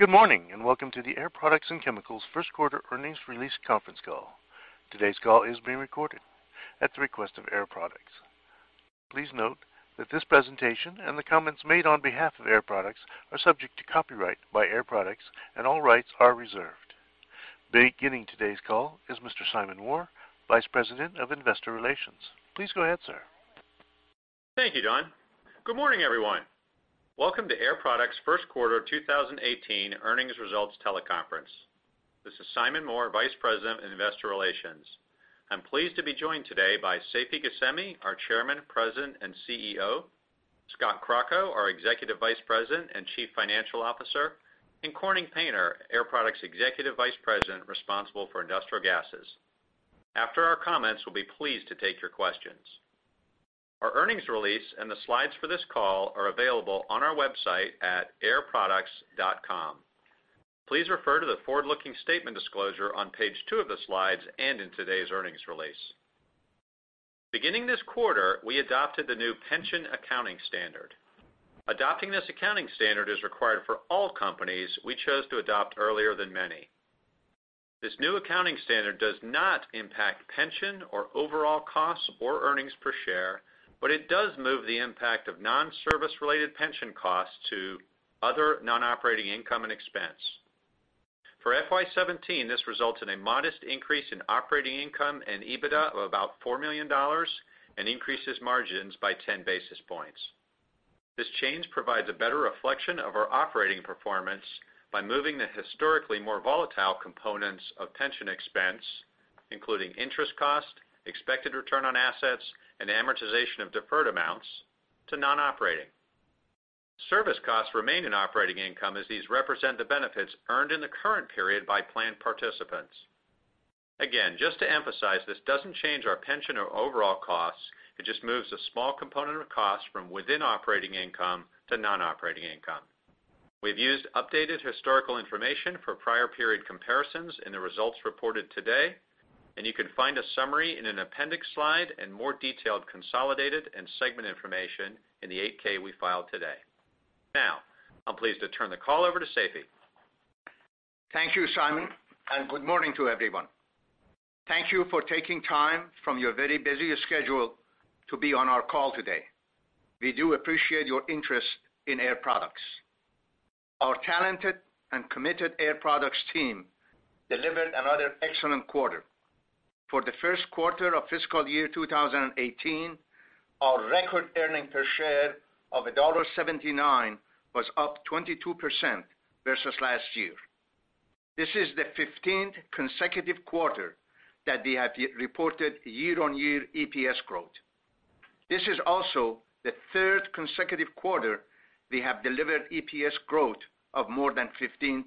Good morning, and welcome to the Air Products and Chemicals first quarter earnings release conference call. Today's call is being recorded at the request of Air Products. Please note that this presentation and the comments made on behalf of Air Products are subject to copyright by Air Products, and all rights are reserved. Beginning today's call is Mr. Simon Moore, Vice President of Investor Relations. Please go ahead, sir. Thank you, Don. Good morning, everyone. Welcome to Air Products' first quarter 2018 earnings results teleconference. This is Simon Moore, Vice President of Investor Relations. I'm pleased to be joined today by Seifi Ghasemi, our Chairman, President, and CEO, Scott Crocco, our Executive Vice President and Chief Financial Officer, and Corning Painter, Air Products Executive Vice President responsible for industrial gases. After our comments, we'll be pleased to take your questions. Our earnings release and the slides for this call are available on our website at airproducts.com. Please refer to the forward-looking statement disclosure on page two of the slides and in today's earnings release. Beginning this quarter, we adopted the new pension accounting standard. Adopting this accounting standard is required for all companies. We chose to adopt earlier than many. This new accounting standard does not impact pension or overall costs or earnings per share, but it does move the impact of non-service related pension costs to other non-operating income and expense. For FY 2017, this resulted in a modest increase in operating income and EBITDA of about $4 million and increases margins by 10 basis points. This change provides a better reflection of our operating performance by moving the historically more volatile components of pension expense, including interest cost, expected return on assets, and amortization of deferred amounts to non-operating. Service costs remain in operating income as these represent the benefits earned in the current period by plan participants. Again, just to emphasize, this doesn't change our pension or overall costs, it just moves a small component of costs from within operating income to non-operating income. We've used updated historical information for prior period comparisons in the results reported today, and you can find a summary in an appendix slide and more detailed consolidated and segment information in the 8-K we filed today. Now, I'm pleased to turn the call over to Seifi. Thank you, Simon, and good morning to everyone. Thank you for taking time from your very busy schedule to be on our call today. We do appreciate your interest in Air Products. Our talented and committed Air Products team delivered another excellent quarter. For the first quarter of fiscal year 2018, our record earnings per share of $1.79 was up 22% versus last year. This is the 15th consecutive quarter that we have reported year-over-year EPS growth. This is also the third consecutive quarter we have delivered EPS growth of more than 15%.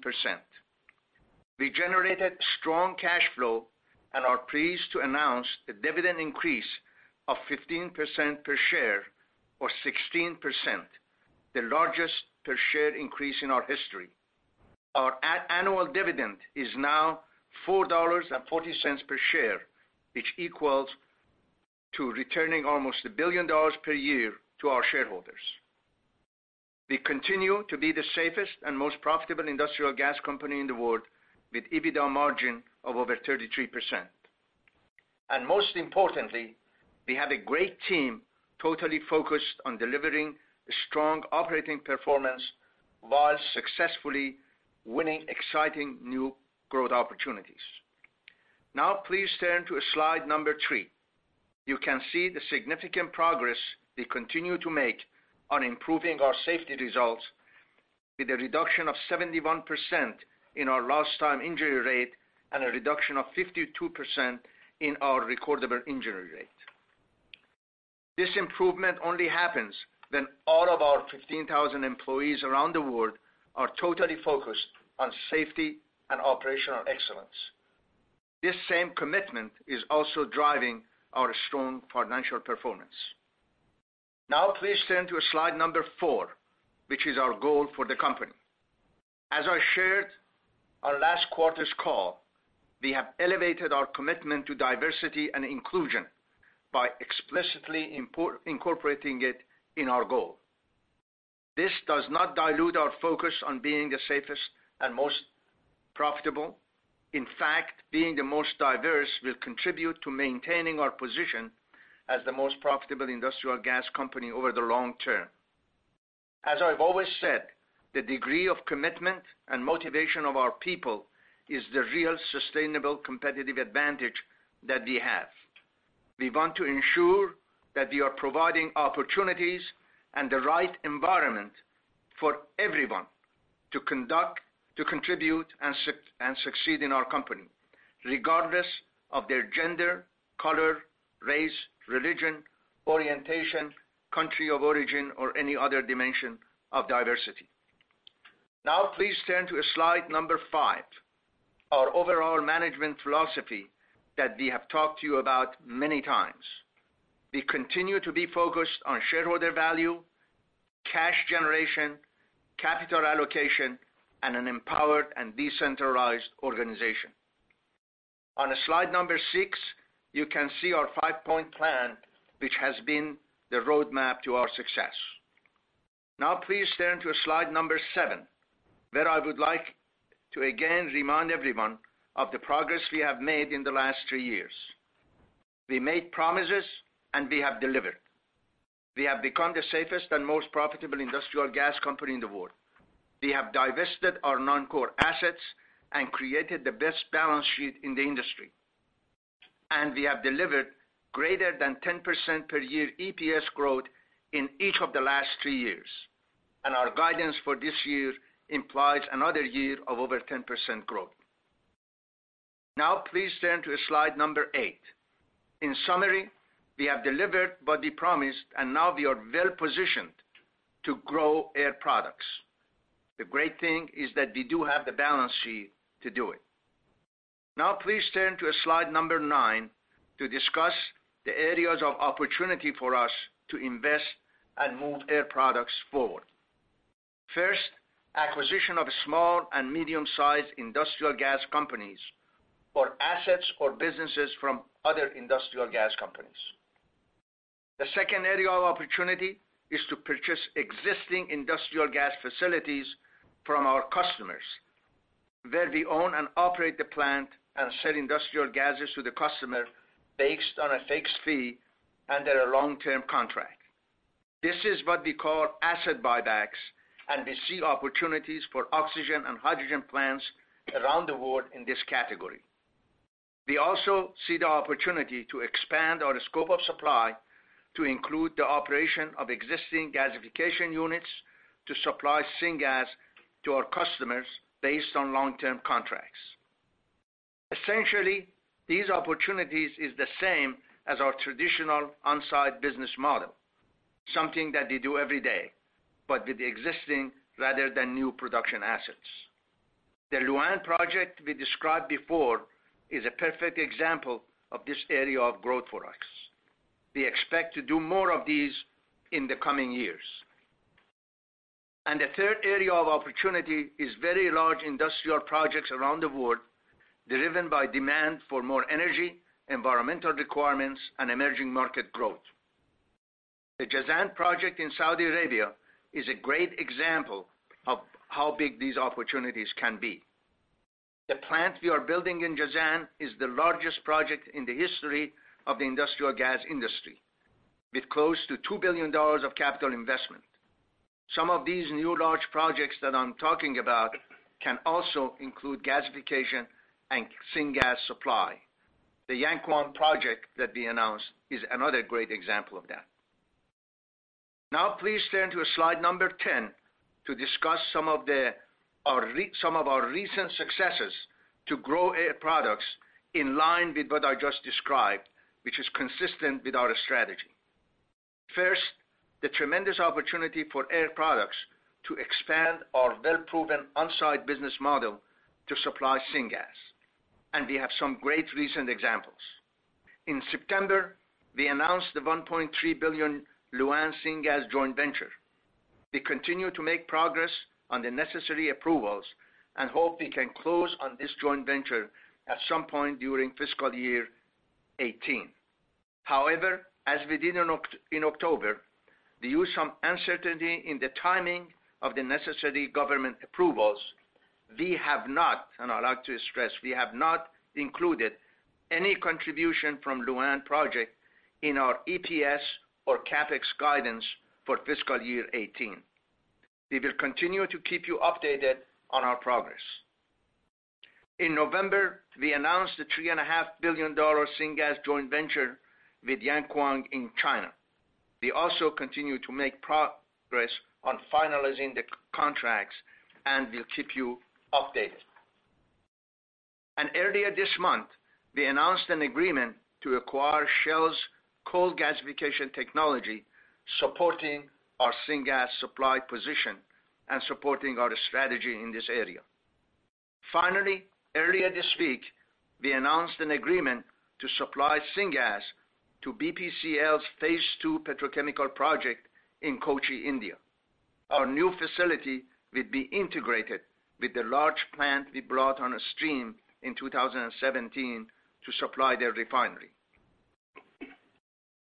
We generated strong cash flow and are pleased to announce the dividend increase of 15% per share or 16%, the largest per share increase in our history. Our annual dividend is now $4.40 per share, which equals to returning almost $1 billion per year to our shareholders. We continue to be the safest and most profitable industrial gas company in the world with EBITDA margin of over 33%. Most importantly, we have a great team totally focused on delivering strong operating performance while successfully winning exciting new growth opportunities. Now, please turn to slide number three. You can see the significant progress we continue to make on improving our safety results with a reduction of 71% in our lost time injury rate and a reduction of 52% in our recordable injury rate. This improvement only happens when all of our 15,000 employees around the world are totally focused on safety and operational excellence. This same commitment is also driving our strong financial performance. Now, please turn to slide number four, which is our goal for the company. As I shared our last quarter's call, we have elevated our commitment to diversity and inclusion by explicitly incorporating it in our goal. This does not dilute our focus on being the safest and most profitable. In fact, being the most diverse will contribute to maintaining our position as the most profitable industrial gas company over the long term. As I've always said, the degree of commitment and motivation of our people is the real sustainable competitive advantage that we have. We want to ensure that we are providing opportunities and the right environment for everyone to conduct, to contribute, and succeed in our company, regardless of their gender, color, race, religion, orientation, country of origin, or any other dimension of diversity. Now, please turn to slide number five. Our overall management philosophy that we have talked to you about many times. We continue to be focused on shareholder value, cash generation, capital allocation, and an empowered and decentralized organization. On slide number six, you can see our five-point plan, which has been the roadmap to our success. Please turn to slide number seven, where I would like to again remind everyone of the progress we have made in the last three years. We made promises, and we have delivered. We have become the safest and most profitable industrial gas company in the world. We have divested our non-core assets and created the best balance sheet in the industry. We have delivered greater than 10% per year EPS growth in each of the last three years. Our guidance for this year implies another year of over 10% growth. Please turn to slide number eight. In summary, we have delivered what we promised. Now we are well positioned to grow Air Products. The great thing is that we do have the balance sheet to do it. Now please turn to slide nine to discuss the areas of opportunity for us to invest and move Air Products forward. First, acquisition of small and medium-sized industrial gas companies, or assets or businesses from other industrial gas companies. The second area of opportunity is to purchase existing industrial gas facilities from our customers, where we own and operate the plant and sell industrial gases to the customer based on a fixed fee under a long-term contract. This is what we call asset buybacks, and we see opportunities for oxygen and hydrogen plants around the world in this category. We also see the opportunity to expand our scope of supply to include the operation of existing gasification units to supply syngas to our customers based on long-term contracts. Essentially, these opportunities is the same as our traditional on-site business model, something that we do every day, but with existing rather than new production assets. The Lu'an project we described before is a perfect example of this area of growth for us. We expect to do more of these in the coming years. The third area of opportunity is very large industrial projects around the world, driven by demand for more energy, environmental requirements, and emerging market growth. The Jazan project in Saudi Arabia is a great example of how big these opportunities can be. The plant we are building in Jazan is the largest project in the history of the industrial gas industry, with close to $2 billion of capital investment. Some of these new large projects that I am talking about can also include gasification and syngas supply. The Yankuang project that we announced is another great example of that. Now please turn to slide 10 to discuss some of our recent successes to grow Air Products in line with what I just described, which is consistent with our strategy. First, the tremendous opportunity for Air Products to expand our well-proven on-site business model to supply syngas. We have some great recent examples. In September, we announced the $1.3 billion Lu'an syngas joint venture. We continue to make progress on the necessary approvals and hope we can close on this joint venture at some point during fiscal year 2018. However, as we did in October, due to some uncertainty in the timing of the necessary government approvals, we have not, and I would like to stress, we have not included any contribution from Luan project in our EPS or CapEx guidance for fiscal year 2018. We will continue to keep you updated on our progress. In November, we announced a $3.5 billion syngas joint venture with Yankuang in China. We also continue to make progress on finalizing the contracts and will keep you updated. Earlier this month, we announced an agreement to acquire Shell's coal gasification technology, supporting our syngas supply position and supporting our strategy in this area. Finally, earlier this week, we announced an agreement to supply syngas to BPCL's Phase 2 petrochemical project in Kochi, India. Our new facility will be integrated with the large plant we brought on a stream in 2017 to supply their refinery.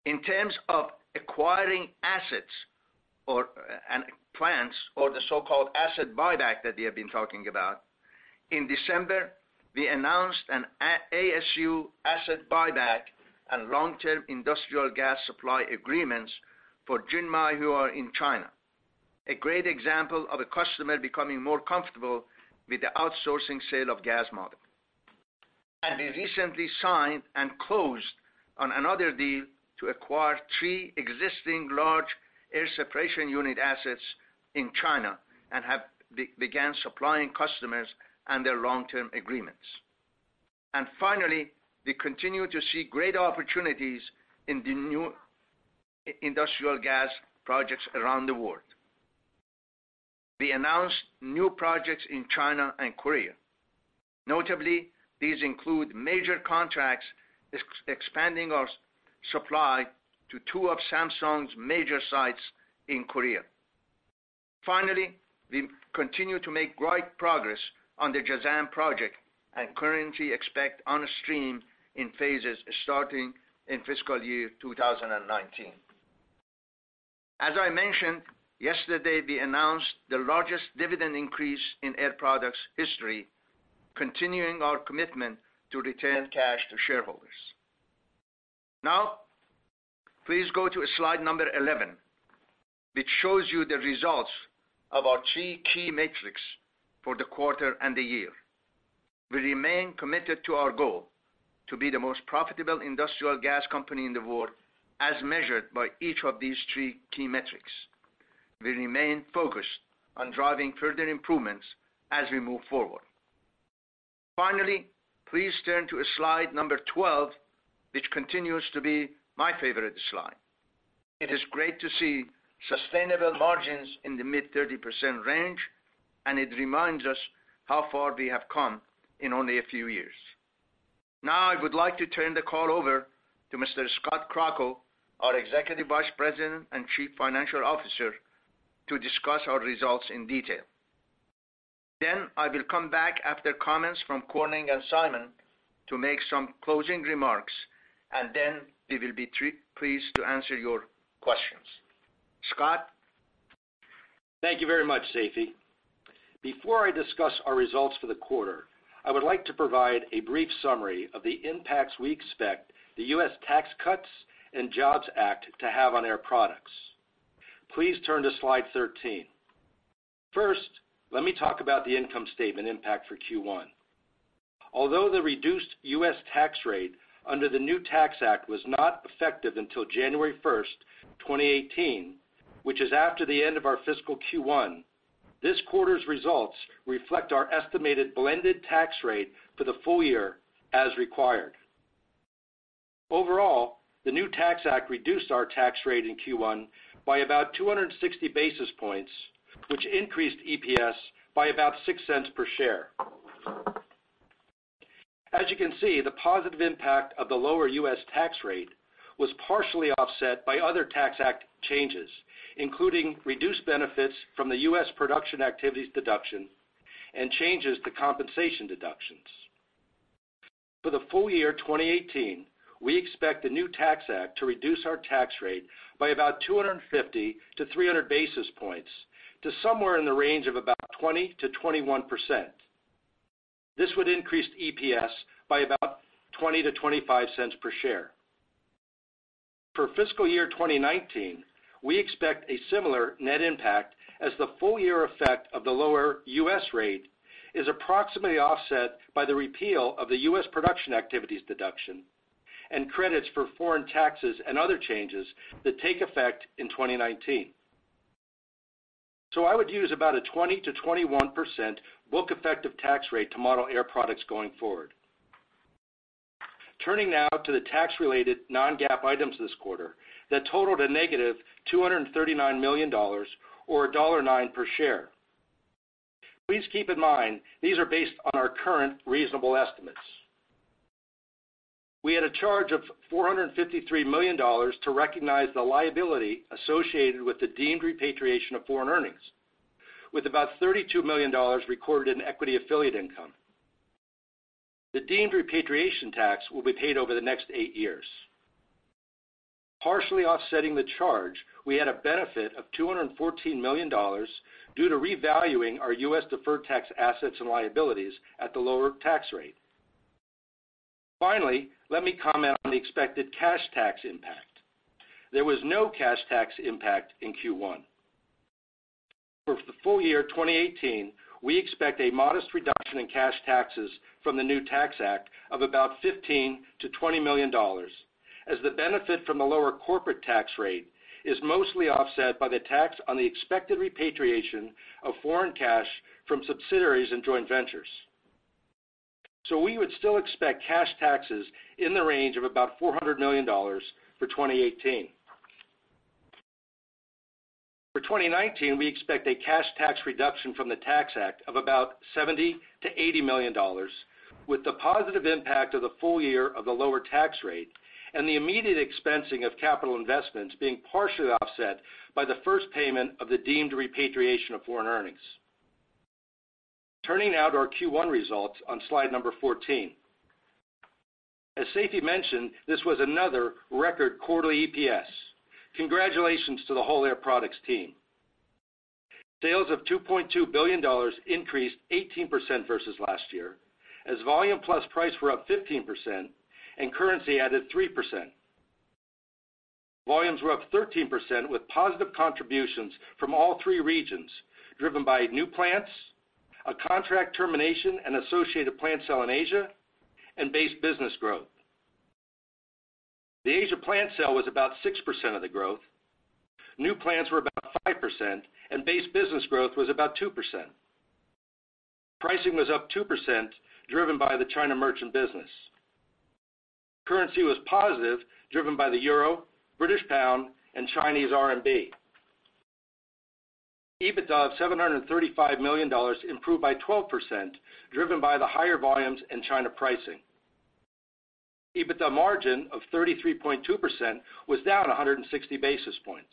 In terms of acquiring assets and plants or the so-called asset buyback that we have been talking about, in December, we announced an ASU asset buyback and long-term industrial gas supply agreements for Jinmei Huayu in China. A great example of a customer becoming more comfortable with the outsourcing sale of gas model. We recently signed and closed on another deal to acquire three existing large air separation unit assets in China and have began supplying customers under long-term agreements. Finally, we continue to see great opportunities in the new industrial gas projects around the world. We announced new projects in China and Korea. Notably, these include major contracts expanding our supply to two of Samsung's major sites in Korea. Finally, we continue to make great progress on the Jazan project and currently expect on a stream in phases starting in fiscal year 2019. As I mentioned yesterday, we announced the largest dividend increase in Air Products history, continuing our commitment to return cash to shareholders. Please go to slide number 11, which shows you the results of our three key metrics for the quarter and the year. We remain committed to our goal to be the most profitable industrial gas company in the world, as measured by each of these three key metrics. We remain focused on driving further improvements as we move forward. Please turn to slide number 12, which continues to be my favorite slide. It is great to see sustainable margins in the mid 30% range, and it reminds us how far we have come in only a few years. I would like to turn the call over to Mr. Scott Crocco, our Executive Vice President and Chief Financial Officer, to discuss our results in detail. I will come back after comments from Corning and Simon to make some closing remarks, and we will be pleased to answer your questions. Scott? Thank you very much, Seifi. Before I discuss our results for the quarter, I would like to provide a brief summary of the impacts we expect the U.S. Tax Cuts and Jobs Act to have on Air Products. Please turn to slide 13. First, let me talk about the income statement impact for Q1. Although the reduced U.S. tax rate under the new Tax Act was not effective until January 1st, 2018, which is after the end of our fiscal Q1, this quarter's results reflect our estimated blended tax rate for the full year as required. Overall, the new Tax Act reduced our tax rate in Q1 by about 260 basis points, which increased EPS by about $0.06 per share. As you can see, the positive impact of the lower U.S. tax rate was partially offset by other Tax Act changes, including reduced benefits from the U.S. production activities deduction and changes to compensation deductions. For the full year 2018, we expect the new Tax Act to reduce our tax rate by about 250-300 basis points to somewhere in the range of about 20%-21%. This would increase EPS by about $0.20-$0.25 per share. For fiscal year 2019, we expect a similar net impact as the full year effect of the lower U.S. rate is approximately offset by the repeal of the U.S. production activities deduction and credits for foreign taxes and other changes that take effect in 2019. I would use about a 20%-21% book effective tax rate to model Air Products going forward. Turning now to the tax-related non-GAAP items this quarter that totaled a negative $239 million or $1.9 per share. Please keep in mind, these are based on our current reasonable estimates. We had a charge of $453 million to recognize the liability associated with the deemed repatriation of foreign earnings, with about $32 million recorded in equity affiliate income. The deemed repatriation tax will be paid over the next eight years. Partially offsetting the charge, we had a benefit of $214 million due to revaluing our U.S. deferred tax assets and liabilities at the lower tax rate. Finally, let me comment on the expected cash tax impact. There was no cash tax impact in Q1. For the full year 2018, we expect a modest reduction in cash taxes from the new Tax Act of about $15 million-$20 million, as the benefit from the lower corporate tax rate is mostly offset by the tax on the expected repatriation of foreign cash from subsidiaries and joint ventures. We would still expect cash taxes in the range of about $400 million for 2018. For 2019, we expect a cash tax reduction from the Tax Act of about $70 million-$80 million, with the positive impact of the full year of the lower tax rate and the immediate expensing of capital investments being partially offset by the first payment of the deemed repatriation of foreign earnings. Turning now to our Q1 results on slide number 14. As Seifi mentioned, this was another record quarterly EPS. Congratulations to the whole Air Products team. Sales of $2.2 billion increased 18% versus last year, as volume plus price were up 15% and currency added 3%. Volumes were up 13% with positive contributions from all three regions, driven by new plants, a contract termination and associated plant sale in Asia, and base business growth. The Asia plant sale was about 6% of the growth. New plants were about 5%, and base business growth was about 2%. Pricing was up 2%, driven by the China merchant business. Currency was positive, driven by the euro, British pound, and Chinese RMB. EBITDA of $735 million improved by 12%, driven by the higher volumes and China pricing. EBITDA margin of 33.2% was down 160 basis points.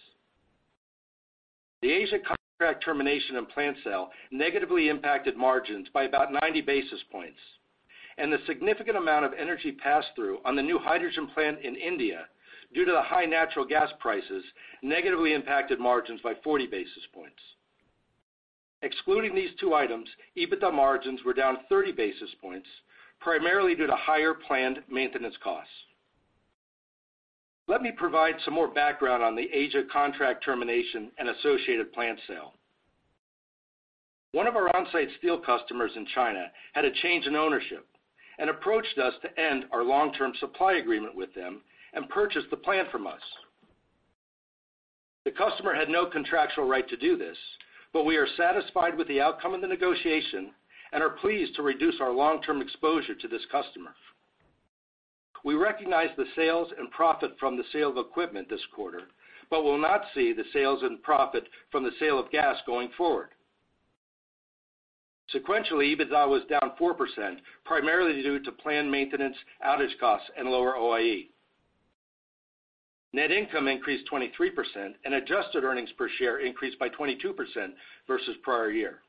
The Asia contract termination and plant sale negatively impacted margins by about 90 basis points, and the significant amount of energy pass-through on the new hydrogen plant in India due to the high natural gas prices negatively impacted margins by 40 basis points. Excluding these two items, EBITDA margins were down 30 basis points, primarily due to higher planned maintenance costs. Let me provide some more background on the Asia contract termination and associated plant sale. One of our on-site steel customers in China had a change in ownership and approached us to end our long-term supply agreement with them and purchase the plant from us. The customer had no contractual right to do this, but we are satisfied with the outcome of the negotiation and are pleased to reduce our long-term exposure to this customer. We recognize the sales and profit from the sale of equipment this quarter, but will not see the sales and profit from the sale of gas going forward. Sequentially, EBITDA was down 4%, primarily due to planned maintenance outage costs and lower OIE. Net income increased 23%, and adjusted earnings per share increased by 22% versus prior year.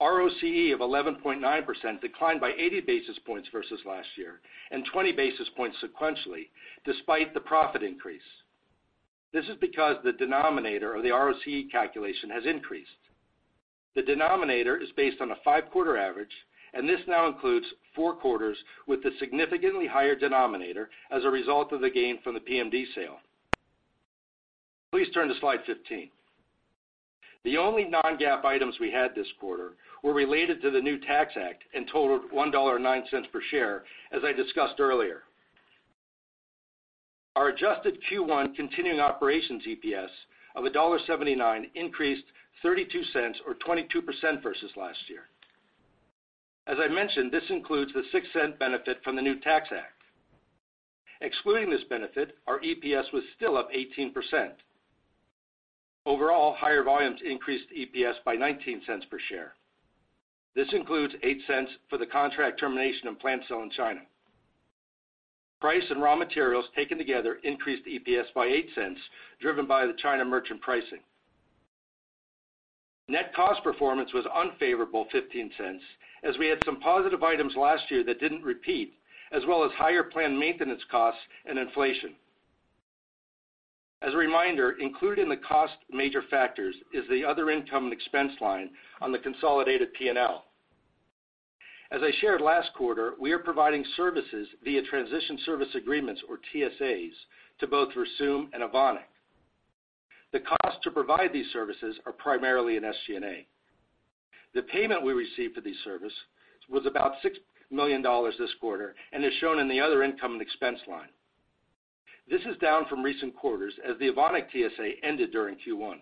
ROCE of 11.9% declined by 80 basis points versus last year, and 20 basis points sequentially, despite the profit increase. This is because the denominator of the ROCE calculation has increased. The denominator is based on a five-quarter average, and this now includes four quarters with a significantly higher denominator as a result of the gain from the PMD sale. Please turn to slide 15. The only non-GAAP items we had this quarter were related to the new Tax Act and totaled $1.09 per share, as I discussed earlier. Our adjusted Q1 continuing operations EPS of $1.79 increased $0.32 or 22% versus last year. As I mentioned, this includes the $0.06 benefit from the new Tax Act. Excluding this benefit, our EPS was still up 18%. Overall, higher volumes increased EPS by $0.19 per share. This includes $0.08 for the contract termination and plant sale in China. Price and raw materials taken together increased EPS by $0.08, driven by the China merchant pricing. Net cost performance was unfavorable $0.15 as we had some positive items last year that didn't repeat, as well as higher planned maintenance costs and inflation. As a reminder, included in the cost major factors is the other income and expense line on the consolidated P&L. As I shared last quarter, we are providing services via transition service agreements, or TSAs, to both Versum and Evonik. The cost to provide these services are primarily in SG&A. The payment we received for these service was about $6 million this quarter and is shown in the other income and expense line. This is down from recent quarters as the Evonik TSA ended during Q1.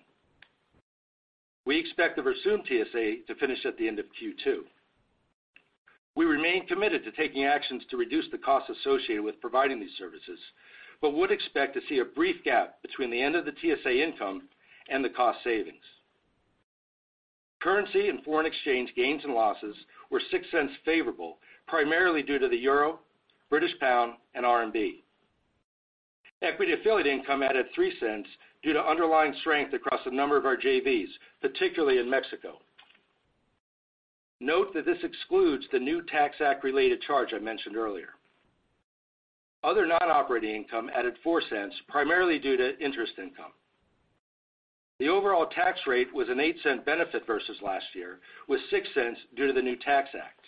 We expect the Versum TSA to finish at the end of Q2. We remain committed to taking actions to reduce the costs associated with providing these services, but would expect to see a brief gap between the end of the TSA income and the cost savings. Currency and foreign exchange gains and losses were $0.06 favorable, primarily due to the EUR, GBP, and CNY. Equity affiliate income added $0.03 due to underlying strength across a number of our JVs, particularly in Mexico. Note that this excludes the new Tax Act-related charge I mentioned earlier. Other non-operating income added $0.04, primarily due to interest income. The overall tax rate was a $0.08 benefit versus last year, with $0.06 due to the new Tax Act.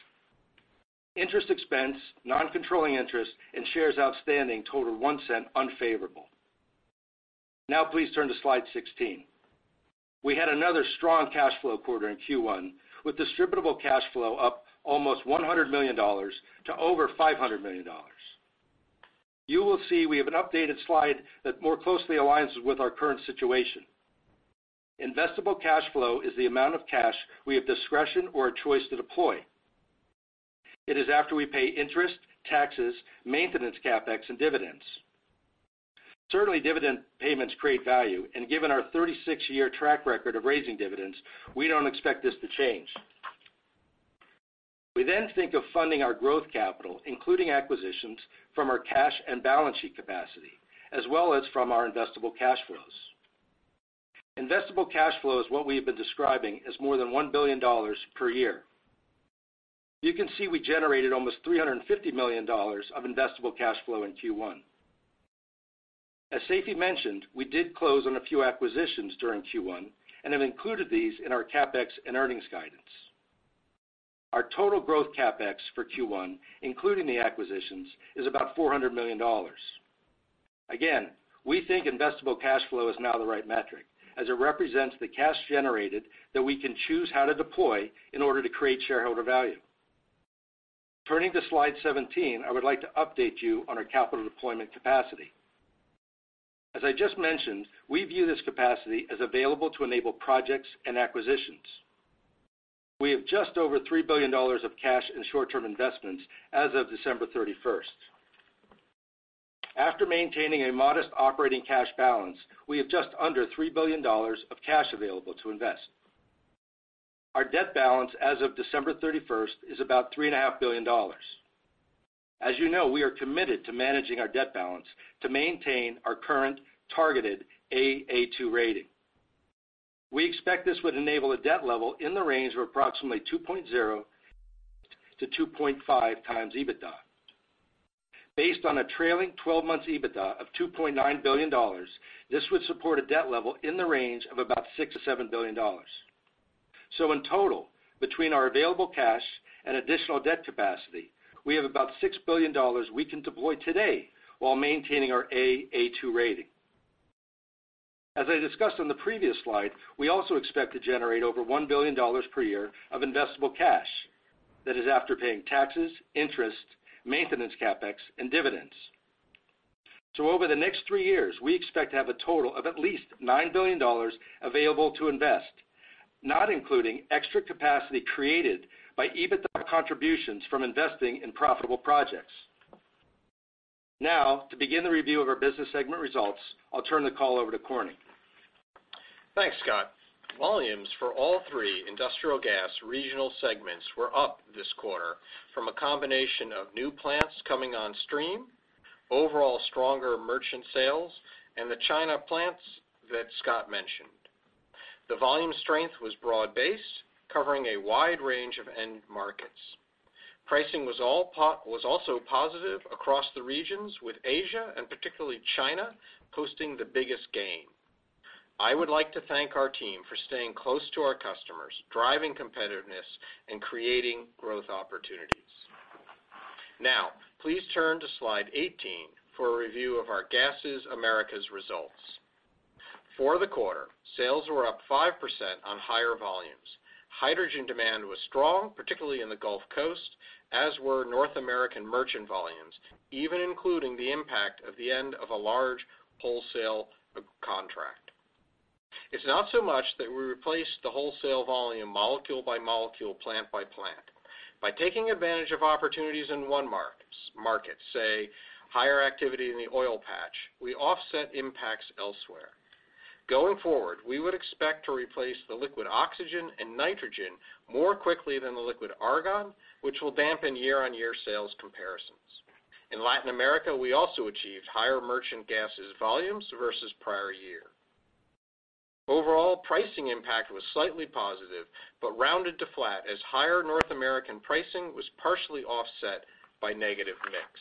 Interest expense, non-controlling interest, and shares outstanding totaled $0.01 unfavorable. Now please turn to slide 16. We had another strong cash flow quarter in Q1, with distributable cash flow up almost $100 million to over $500 million. You will see we have an updated slide that more closely aligns with our current situation. Investable cash flow is the amount of cash we have discretion or a choice to deploy. It is after we pay interest, taxes, maintenance CapEx, and dividends. Certainly, dividend payments create value, and given our 36-year track record of raising dividends, we don't expect this to change. We then think of funding our growth capital, including acquisitions from our cash and balance sheet capacity, as well as from our investable cash flows. Investable cash flow is what we have been describing as more than $1 billion per year. You can see we generated almost $350 million of investable cash flow in Q1. As Seifi mentioned, we did close on a few acquisitions during Q1 and have included these in our CapEx and earnings guidance. Our total growth CapEx for Q1, including the acquisitions, is about $400 million. Again, we think investable cash flow is now the right metric, as it represents the cash generated that we can choose how to deploy in order to create shareholder value. Turning to slide 17, I would like to update you on our capital deployment capacity. As I just mentioned, we view this capacity as available to enable projects and acquisitions. We have just over $3 billion of cash and short-term investments as of December 31st. After maintaining a modest operating cash balance, we have just under $3 billion of cash available to invest. Our debt balance as of December 31st is about $3.5 billion. As you know, we are committed to managing our debt balance to maintain our current targeted Aa2 rating. We expect this would enable a debt level in the range of approximately 2.0 to 2.5 times EBITDA. Based on a trailing 12 months EBITDA of $2.9 billion, this would support a debt level in the range of about $6 billion - $7 billion. In total, between our available cash and additional debt capacity, we have about $6 billion we can deploy today while maintaining our Aa2 rating. As I discussed on the previous slide, we also expect to generate over $1 billion per year of investable cash. That is after paying taxes, interest, maintenance, CapEx, and dividends. Over the next three years, we expect to have a total of at least $9 billion available to invest, not including extra capacity created by EBITDA contributions from investing in profitable projects. Now, to begin the review of our business segment results, I'll turn the call over to Corning. Thanks, Scott. Volumes for all three industrial gas regional segments were up this quarter from a combination of new plants coming on stream, overall stronger merchant sales, and the China plants that Scott mentioned. The volume strength was broad-based, covering a wide range of end markets. Pricing was also positive across the regions, with Asia and particularly China posting the biggest gain. I would like to thank our team for staying close to our customers, driving competitiveness, and creating growth opportunities. Now, please turn to slide 18 for a review of our Gases Americas results. For the quarter, sales were up 5% on higher volumes. Hydrogen demand was strong, particularly in the Gulf Coast, as were North American merchant volumes, even including the impact of the end of a large wholesale contract. It's not so much that we replaced the wholesale volume molecule by molecule, plant by plant. By taking advantage of opportunities in one market, say higher activity in the oil patch, we offset impacts elsewhere. Going forward, we would expect to replace the liquid oxygen and nitrogen more quickly than the liquid argon, which will dampen year-on-year sales comparisons. In Latin America, we also achieved higher merchant gases volumes versus prior year. Overall pricing impact was slightly positive, but rounded to flat as higher North American pricing was partially offset by negative mix.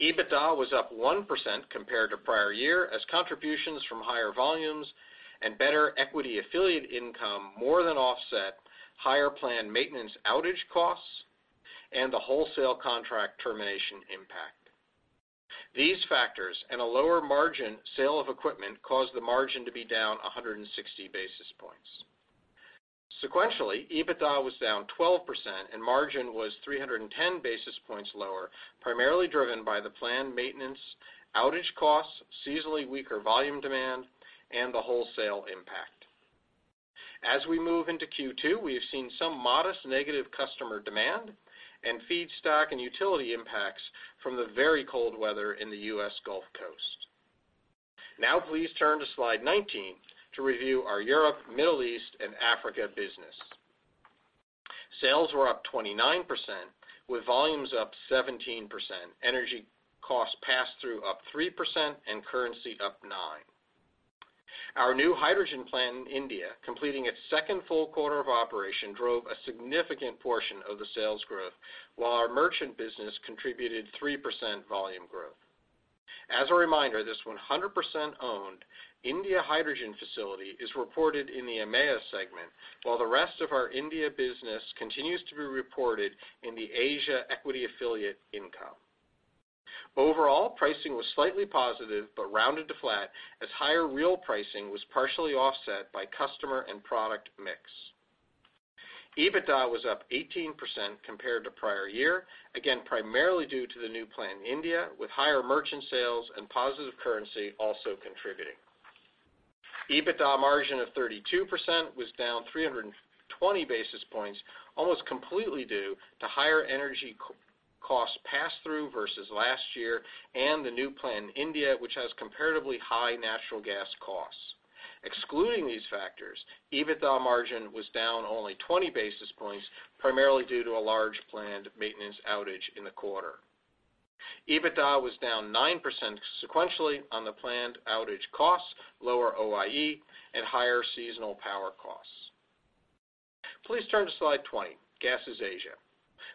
EBITDA was up 1% compared to prior year as contributions from higher volumes and better equity affiliate income more than offset higher planned maintenance outage costs and the wholesale contract termination impact. These factors and a lower margin sale of equipment caused the margin to be down 160 basis points. Sequentially, EBITDA was down 12% and margin was 310 basis points lower, primarily driven by the planned maintenance outage costs, seasonally weaker volume demand, and the wholesale impact. As we move into Q2, we have seen some modest negative customer demand and feedstock and utility impacts from the very cold weather in the U.S. Gulf Coast. Now please turn to slide 19 to review our Europe, Middle East, and Africa business. Sales were up 29%, with volumes up 17%, energy cost pass-through up 3%, and currency up nine. Our new hydrogen plant in India, completing its second full quarter of operation, drove a significant portion of the sales growth, while our merchant business contributed 3% volume growth. As a reminder, this 100% owned India hydrogen facility is reported in the EMEA segment, while the rest of our India business continues to be reported in the Asia equity affiliate income. Overall pricing was slightly positive but rounded to flat as higher real pricing was partially offset by customer and product mix. EBITDA was up 18% compared to prior year, again primarily due to the new plant in India, with higher merchant sales and positive currency also contributing. EBITDA margin of 32% was down 320 basis points, almost completely due to higher energy cost pass-through versus last year and the new plant in India, which has comparatively high natural gas costs. Excluding these factors, EBITDA margin was down only 20 basis points, primarily due to a large planned maintenance outage in the quarter. EBITDA was down 9% sequentially on the planned outage costs, lower OIE, and higher seasonal power costs. Please turn to slide 20, Gases Asia,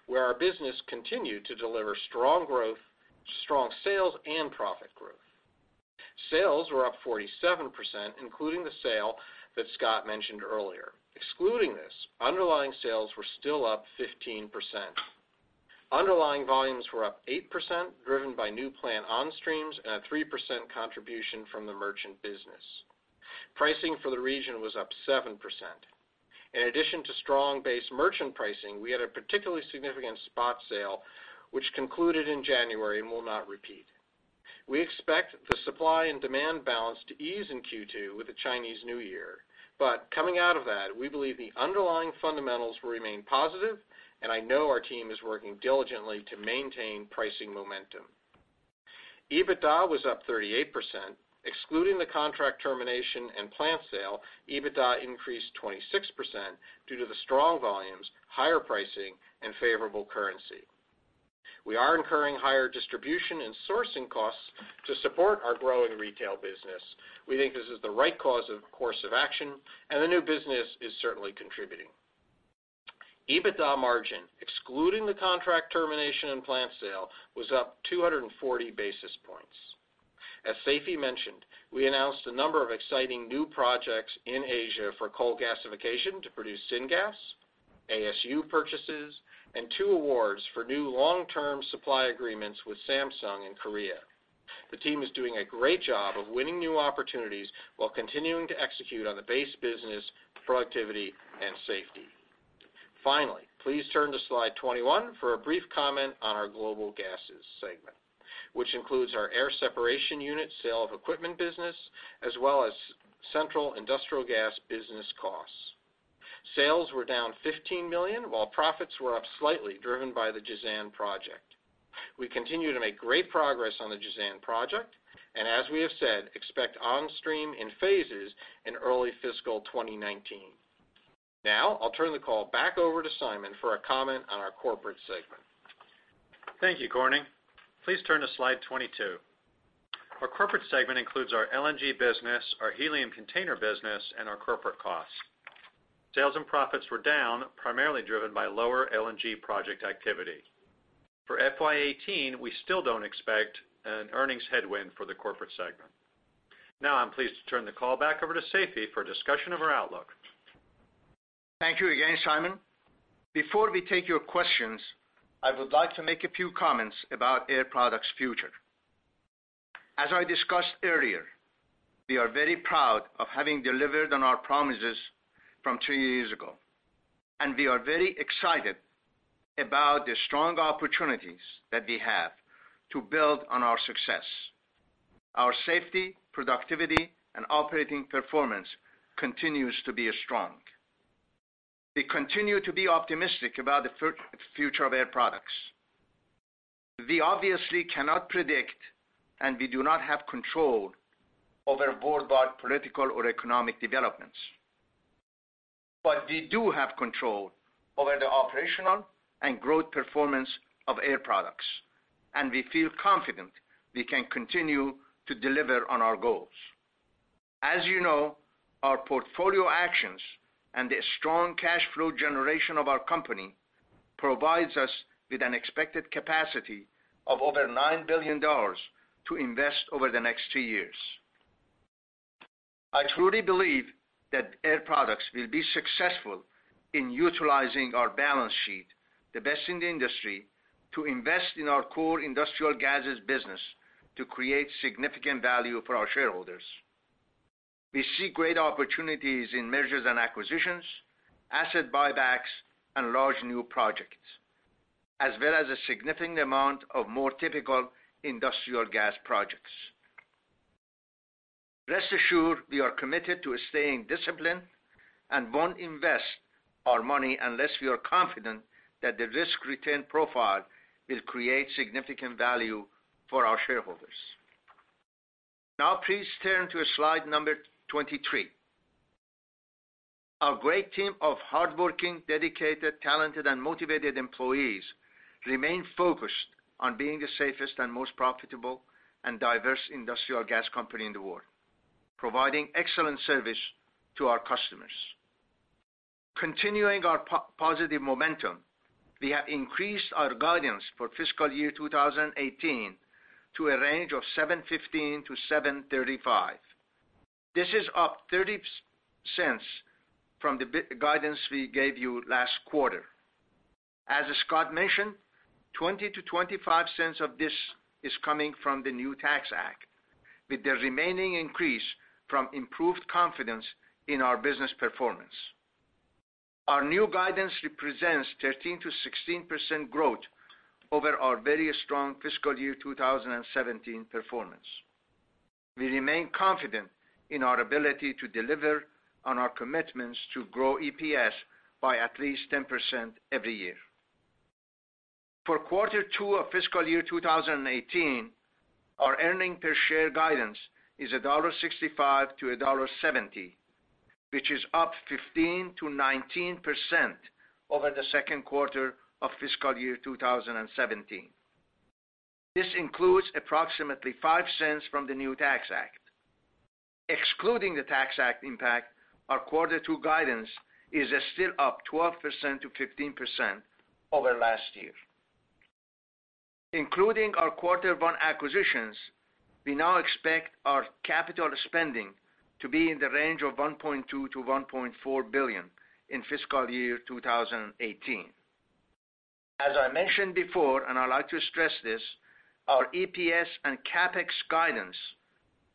where our business continued to deliver strong sales and profit growth. Sales were up 47%, including the sale that Scott mentioned earlier. Excluding this, underlying sales were still up 15%. Underlying volumes were up 8%, driven by new plant onstreams and a 3% contribution from the merchant business. Pricing for the region was up 7%. In addition to strong base merchant pricing, we had a particularly significant spot sale, which concluded in January and will not repeat. We expect the supply and demand balance to ease in Q2 with the Chinese New Year. Coming out of that, we believe the underlying fundamentals will remain positive, and I know our team is working diligently to maintain pricing momentum. EBITDA was up 38%. Excluding the contract termination and plant sale, EBITDA increased 26% due to the strong volumes, higher pricing, and favorable currency. We are incurring higher distribution and sourcing costs to support our growing retail business. We think this is the right course of action, and the new business is certainly contributing. EBITDA margin, excluding the contract termination and plant sale, was up 240 basis points. As Seifi mentioned, we announced a number of exciting new projects in Asia for coal gasification to produce syngas, ASU purchases, and two awards for new long-term supply agreements with Samsung in Korea. The team is doing a great job of winning new opportunities while continuing to execute on the base business, productivity, and safety. Finally, please turn to slide 21 for a brief comment on our Global Gases segment, which includes our air separation unit sale of equipment business, as well as central industrial gas business costs. Sales were down $15 million, while profits were up slightly, driven by the Jazan project. We continue to make great progress on the Jazan project, and as we have said, expect on stream in phases in early fiscal 2019. I'll turn the call back over to Simon for a comment on our corporate segment. Thank you, Corning. Please turn to slide 22. Our corporate segment includes our LNG business, our helium container business, and our corporate costs. Sales and profits were down, primarily driven by lower LNG project activity. For FY 2018, we still don't expect an earnings headwind for the corporate segment. I'm pleased to turn the call back over to Seifi for a discussion of our outlook. Thank you again, Simon. Before we take your questions, I would like to make a few comments about Air Products' future. As I discussed earlier, we are very proud of having delivered on our promises from two years ago, and we are very excited about the strong opportunities that we have to build on our success. Our safety, productivity, and operating performance continues to be strong. We continue to be optimistic about the future of Air Products. We obviously cannot predict, and we do not have control over worldwide political or economic developments. We do have control over the operational and growth performance of Air Products, and we feel confident we can continue to deliver on our goals. As you know, our portfolio actions and the strong cash flow generation of our company provides us with an expected capacity of over $9 billion to invest over the next two years. I truly believe that Air Products will be successful in utilizing our balance sheet, the best in the industry, to invest in our core industrial gases business to create significant value for our shareholders. We see great opportunities in mergers and acquisitions, asset buybacks, and large new projects, as well as a significant amount of more typical industrial gas projects. Rest assured, we are committed to staying disciplined and won't invest our money unless we are confident that the risk-return profile will create significant value for our shareholders. Now, please turn to slide number 23. Our great team of hardworking, dedicated, talented, and motivated employees remain focused on being the safest and most profitable and diverse industrial gas company in the world, providing excellent service to our customers. Continuing our positive momentum, we have increased our guidance for fiscal year 2018 to a range of $7.15 to $7.35. This is up $0.30 from the guidance we gave you last quarter. As Scott mentioned, $0.20 to $0.25 of this is coming from the new Tax Act, with the remaining increase from improved confidence in our business performance. Our new guidance represents 13%-16% growth over our very strong fiscal year 2017 performance. We remain confident in our ability to deliver on our commitments to grow EPS by at least 10% every year. For quarter two of fiscal year 2018, our earning per share guidance is $1.65 to $1.70, which is up 15%-19% over the second quarter of fiscal year 2017. This includes approximately $0.05 from the new Tax Act. Excluding the Tax Act impact, our quarter two guidance is still up 12%-15% over last year. Including our quarter one acquisitions, we now expect our capital spending to be in the range of $1.2 billion-$1.4 billion in fiscal year 2018. As I mentioned before, and I'd like to stress this, our EPS and CapEx guidance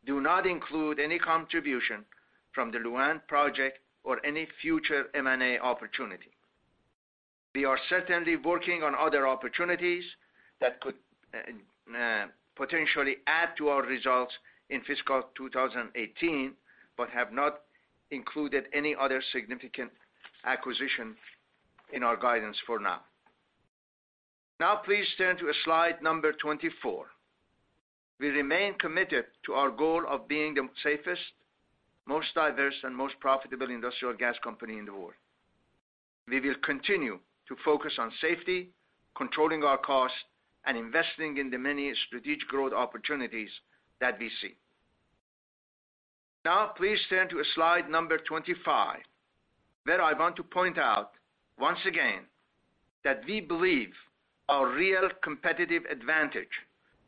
do not include any contribution from the Lu'An project or any future M&A opportunity. We are certainly working on other opportunities that could potentially add to our results in fiscal 2018, but have not included any other significant acquisition in our guidance for now. Now please turn to slide number 24. We remain committed to our goal of being the safest, most diverse, and most profitable industrial gas company in the world. We will continue to focus on safety, controlling our costs, and investing in the many strategic growth opportunities that we see. Now, please turn to slide number 25, where I want to point out once again that we believe our real competitive advantage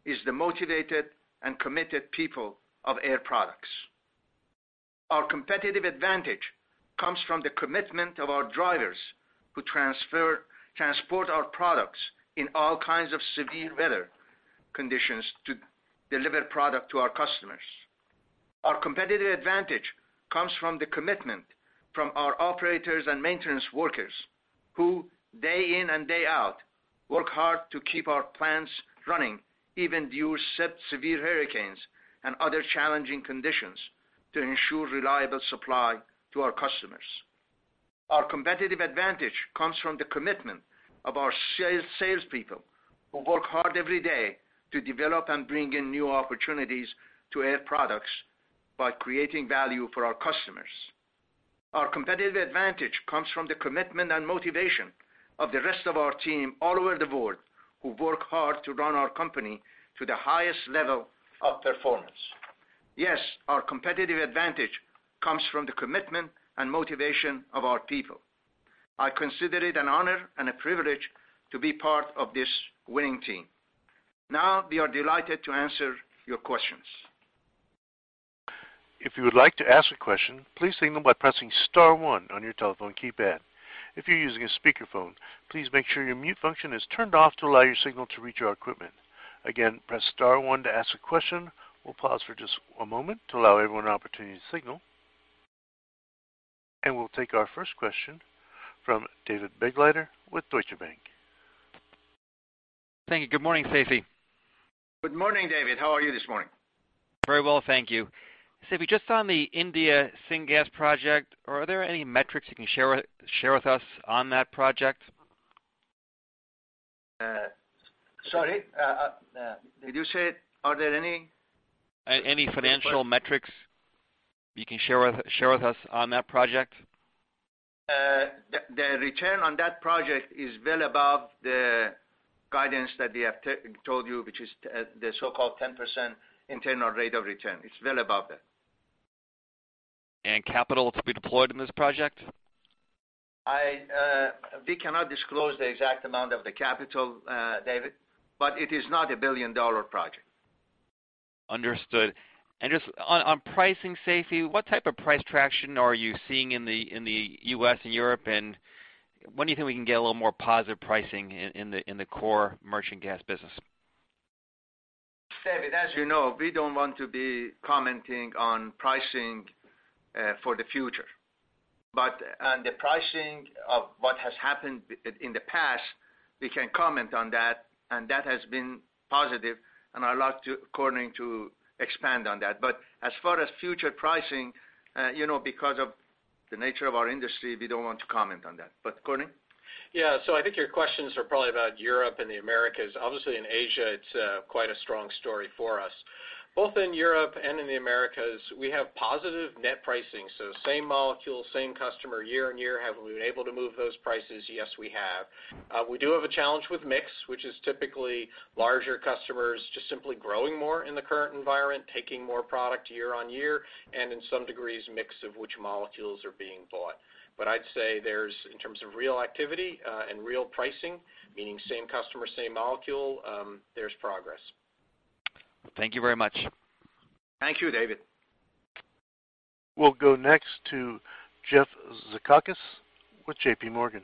is the motivated and committed people of Air Products. Our competitive advantage comes from the commitment of our drivers who transport our products in all kinds of severe weather conditions to deliver product to our customers. Our competitive advantage comes from the commitment from our operators and maintenance workers, who, day in and day out, work hard to keep our plants running, even during severe hurricanes and other challenging conditions, to ensure reliable supply to our customers. Our competitive advantage comes from the commitment of our salespeople, who work hard every day to develop and bring in new opportunities to Air Products by creating value for our customers. Our competitive advantage comes from the commitment and motivation of the rest of our team all over the world, who work hard to run our company to the highest level of performance. Yes, our competitive advantage comes from the commitment and motivation of our people. I consider it an honor and a privilege to be part of this winning team. Now, we are delighted to answer your questions. If you would like to ask a question, please signal by pressing star one on your telephone keypad. If you're using a speakerphone, please make sure your mute function is turned off to allow your signal to reach our equipment. Again, press star one to ask a question. We'll pause for just a moment to allow everyone an opportunity to signal. We'll take our first question from David Begleiter with Deutsche Bank. Thank you. Good morning, Seifi. Good morning, David. How are you this morning? Very well, thank you. Seifi, just on the India syngas project, are there any metrics you can share with us on that project? Sorry, did you say are there any? Any financial metrics you can share with us on that project? The return on that project is well above the guidance that we have told you, which is the so-called 10% internal rate of return. It's well above that. Capital to be deployed in this project? We cannot disclose the exact amount of the capital, David, but it is not a billion-dollar project. Understood. Just on pricing, Seifi, what type of price traction are you seeing in the U.S. and Europe, and when do you think we can get a little more positive pricing in the core merchant gas business? David, as you know, we don't want to be commenting on pricing for the future. On the pricing of what has happened in the past, we can comment on that, and that has been positive, and I'll ask Corning to expand on that. As far as future pricing, because of the nature of our industry, we don't want to comment on that. Corning? Yeah. I think your questions are probably about Europe and the Americas. Obviously, in Asia, it's quite a strong story for us. Both in Europe and in the Americas, we have positive net pricing. Same molecule, same customer, year-on-year. Have we been able to move those prices? Yes, we have. We do have a challenge with mix, which is typically larger customers just simply growing more in the current environment, taking more product year-on-year, and in some degrees, mix of which molecules are being bought. I'd say there's, in terms of real activity and real pricing, meaning same customer, same molecule, there's progress. Thank you very much. Thank you, David. We'll go next to Jeff Zekauskas with JPMorgan.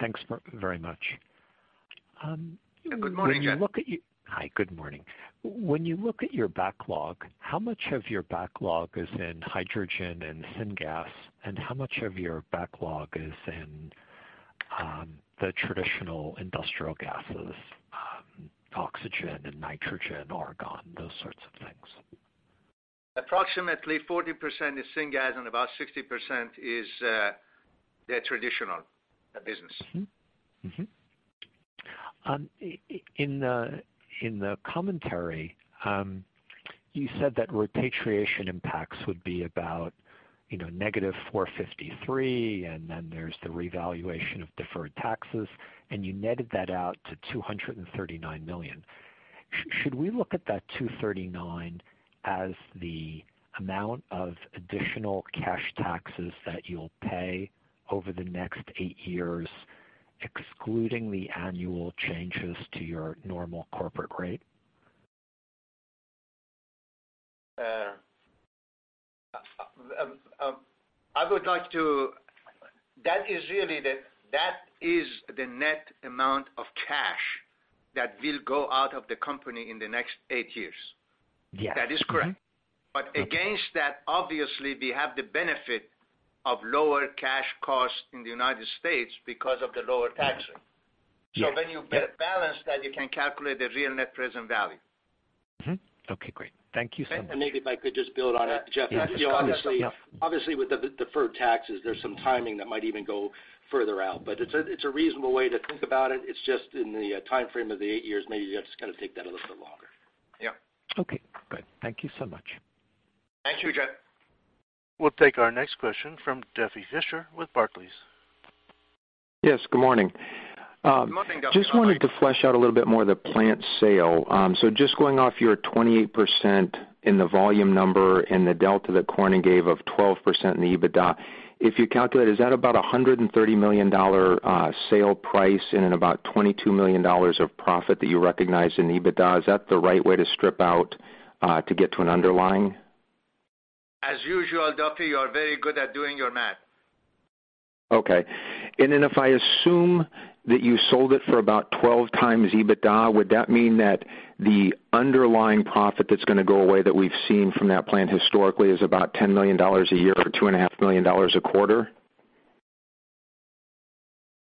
Thanks very much. Good morning, Jeff. Hi, good morning. When you look at your backlog, how much of your backlog is in hydrogen and syngas, and how much of your backlog is in the traditional industrial gases, oxygen and nitrogen, argon, those sorts of things? Approximately 40% is syngas and about 60% is the traditional business. In the commentary, you said that repatriation impacts would be about negative $453 million. Then there's the revaluation of deferred taxes. You netted that out to $239 million. Should we look at that $239 as the amount of additional cash taxes that you'll pay over the next 8 years, excluding the annual changes to your normal corporate rate? That is the net amount that will go out of the company in the next 8 years. Yes. That is correct. Against that, obviously, we have the benefit of lower cash costs in the U.S. because of the lower tax rate. Yes. When you balance that, you can calculate the real net present value. Okay, great. Thank you so much. Maybe if I could just build on it, Jeff. Yes. Obviously, with the deferred taxes, there's some timing that might even go further out. It's a reasonable way to think about it. It's just in the timeframe of the eight years. Maybe you have to take that a little bit longer. Yeah. Okay, great. Thank you so much. Thank you, Jeff. We'll take our next question from Duffy Fischer with Barclays. Yes, good morning. Good morning, Duffy. How are you? Just wanted to flesh out a little bit more the plant sale. Going off your 28% in the volume number and the delta that Corning gave of 12% in the EBITDA. If you calculate, is that about $130 million sale price and about $22 million of profit that you recognize in EBITDA? Is that the right way to strip out to get to an underlying? As usual, Duffy, you are very good at doing your math. Okay. If I assume that you sold it for about 12 times EBITDA, would that mean that the underlying profit that's going to go away, that we've seen from that plant historically, is about $10 million a year for $2.5 million a quarter?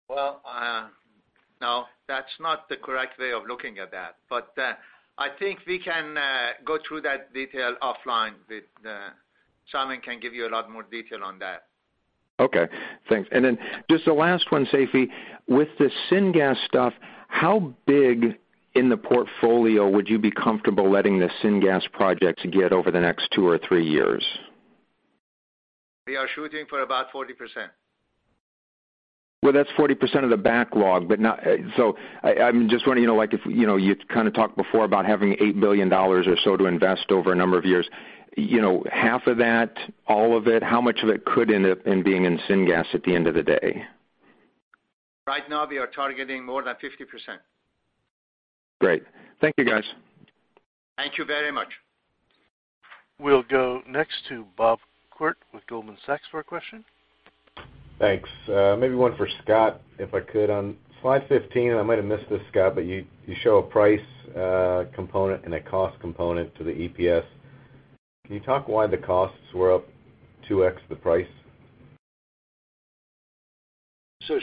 Well, no. That's not the correct way of looking at that. I think we can go through that detail offline. Simon can give you a lot more detail on that. Okay, thanks. Just the last one, Seifi. With the syngas stuff, how big in the portfolio would you be comfortable letting the syngas projects get over the next two or three years? We are shooting for about 40%. Well, that's 40% of the backlog. You talked before about having $8 billion or so to invest over a number of years. Half of that, all of it, how much of it could end up in being in syngas at the end of the day? Right now, we are targeting more than 50%. Great. Thank you, guys. Thank you very much. We'll go next to Bob Koort with Goldman Sachs for a question. Thanks. Maybe one for Scott, if I could. On slide 15, I might have missed this, Scott, but you show a price component and a cost component to the EPS. Can you talk why the costs were up 2x the price?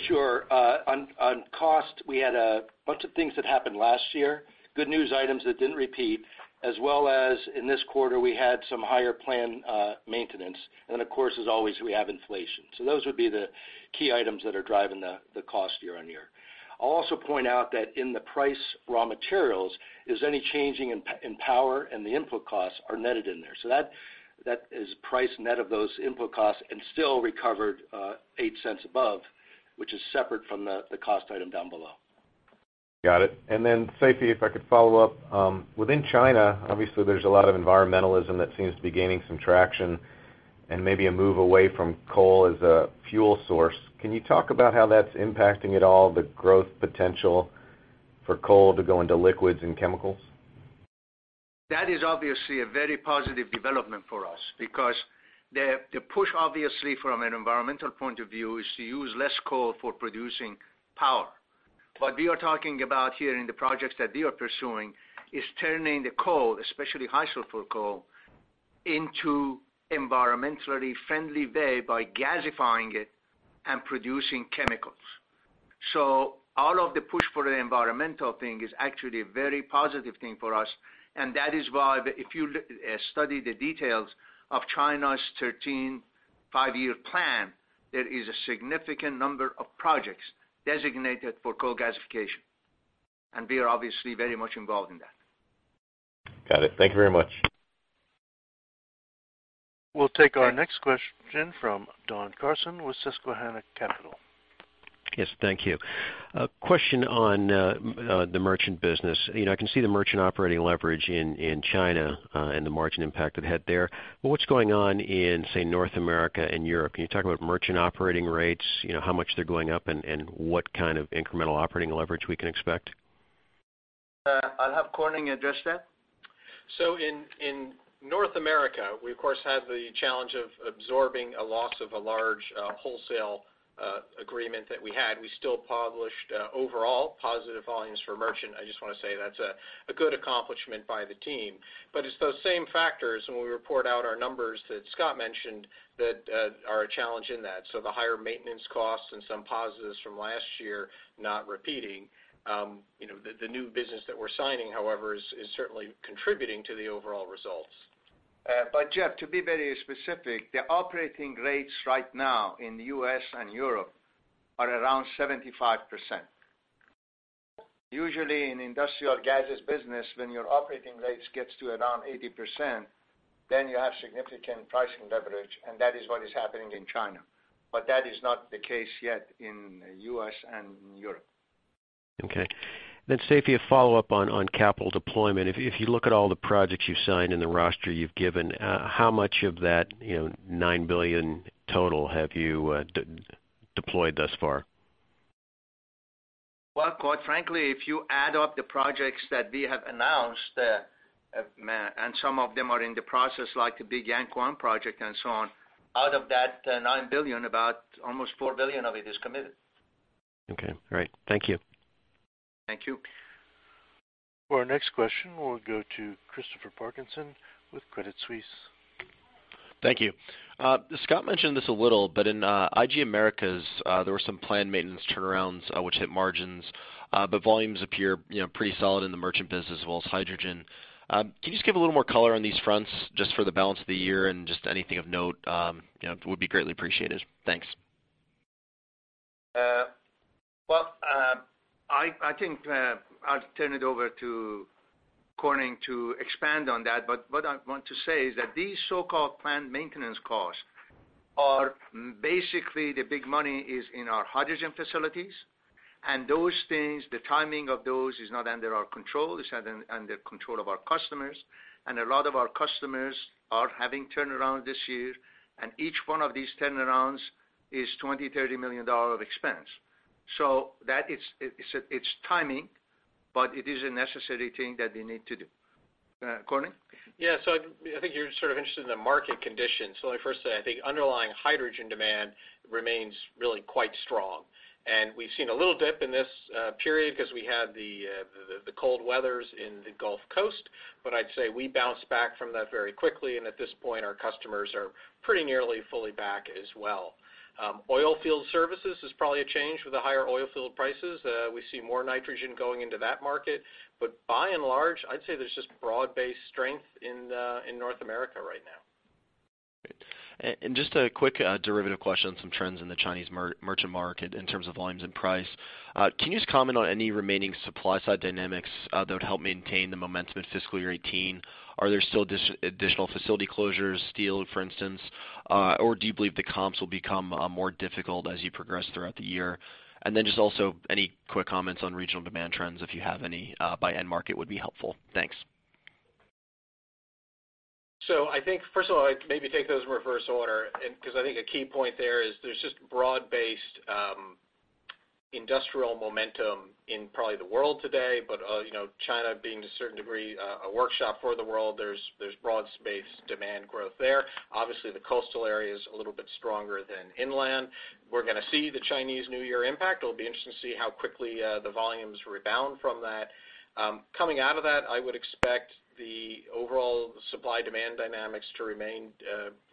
Sure. On cost, we had a bunch of things that happened last year. Good news items that didn't repeat, as well as in this quarter, we had some higher plan maintenance. Of course, as always, we have inflation. Those would be the key items that are driving the cost year-on-year. I'll also point out that in the price raw materials is any changing in power and the input costs are netted in there. That is price net of those input costs and still recovered $0.08 above, which is separate from the cost item down below. Got it. Seifi, if I could follow up. Within China, obviously there's a lot of environmentalism that seems to be gaining some traction and maybe a move away from coal as a fuel source. Can you talk about how that's impacting at all the growth potential for coal to go into liquids and chemicals? That is obviously a very positive development for us because the push, obviously from an environmental point of view, is to use less coal for producing power. What we are talking about here in the projects that we are pursuing is turning the coal, especially high sulfur coal, into environmentally friendly way by gasifying it and producing chemicals. All of the push for the environmental thing is actually a very positive thing for us, and that is why if you study the details of China's 13th Five-Year Plan, there is a significant number of projects designated for coal gasification. We are obviously very much involved in that. Got it. Thank you very much. We'll take our next question from Don Carson with Susquehanna Capital. Yes, thank you. A question on the merchant business. I can see the merchant operating leverage in China and the margin impact it had there. What's going on in, say, North America and Europe? Can you talk about merchant operating rates, how much they're going up, and what kind of incremental operating leverage we can expect? I'll have Corning address that. In North America, we of course, had the challenge of absorbing a loss of a large wholesale agreement that we had. We still published overall positive volumes for merchant. I just want to say that's a good accomplishment by the team. It's those same factors when we report out our numbers that Scott mentioned that are a challenge in that. The higher maintenance costs and some positives from last year not repeating. The new business that we're signing, however, is certainly contributing to the overall results. Jeff, to be very specific, the operating rates right now in the U.S. and Europe are around 75%. Usually in industrial gases business, when your operating rates gets to around 80%, then you have significant pricing leverage, and that is what is happening in China. That is not the case yet in U.S. and Europe. Okay. Seifi, a follow-up on capital deployment. If you look at all the projects you've signed and the roster you've given, how much of that $9 billion total have you deployed thus far? Quite frankly, if you add up the projects that we have announced. Some of them are in the process, like the big Yankuang project and so on. Out of that $9 billion, about almost $4 billion of it is committed. Okay. All right. Thank you. Thank you. For our next question, we'll go to Christopher Parkinson with Credit Suisse. Thank you. Scott mentioned this a little, but in IG Americas, there were some planned maintenance turnarounds, which hit margins. Volumes appear pretty solid in the merchant business as well as hydrogen. Can you just give a little more color on these fronts just for the balance of the year and just anything of note, would be greatly appreciated? Thanks. I think I'll turn it over to Corning to expand on that. What I want to say is that these so-called planned maintenance costs are basically the big money is in our hydrogen facilities. Those things, the timing of those is not under our control. It's under control of our customers. A lot of our customers are having turnaround this year, and each one of these turnarounds is $20 million, $30 million of expense. It's timing, but it is a necessary thing that we need to do. Corning? I think you're sort of interested in the market conditions. Let me first say, I think underlying hydrogen demand remains really quite strong. We've seen a little dip in this period because we had the cold weathers in the Gulf Coast. I'd say we bounced back from that very quickly, and at this point, our customers are pretty nearly fully back as well. Oilfield services is probably a change with the higher oil field prices. We see more nitrogen going into that market. By and large, I'd say there's just broad-based strength in North America right now. Great. Just a quick derivative question on some trends in the Chinese merchant market in terms of volumes and price. Can you just comment on any remaining supply side dynamics that would help maintain the momentum in FY 2018? Are there still additional facility closures, steel, for instance? Do you believe the comps will become more difficult as you progress throughout the year? Just also any quick comments on regional demand trends, if you have any, by end market would be helpful. Thanks. I think first of all, maybe take those in reverse order, because I think a key point there is there's just broad-based industrial momentum in probably the world today. China being to a certain degree, a workshop for the world, there's broad-based demand growth there. Obviously, the coastal area is a little bit stronger than inland. We're going to see the Chinese New Year impact. It'll be interesting to see how quickly the volumes rebound from that. Coming out of that, I would expect the overall supply-demand dynamics to remain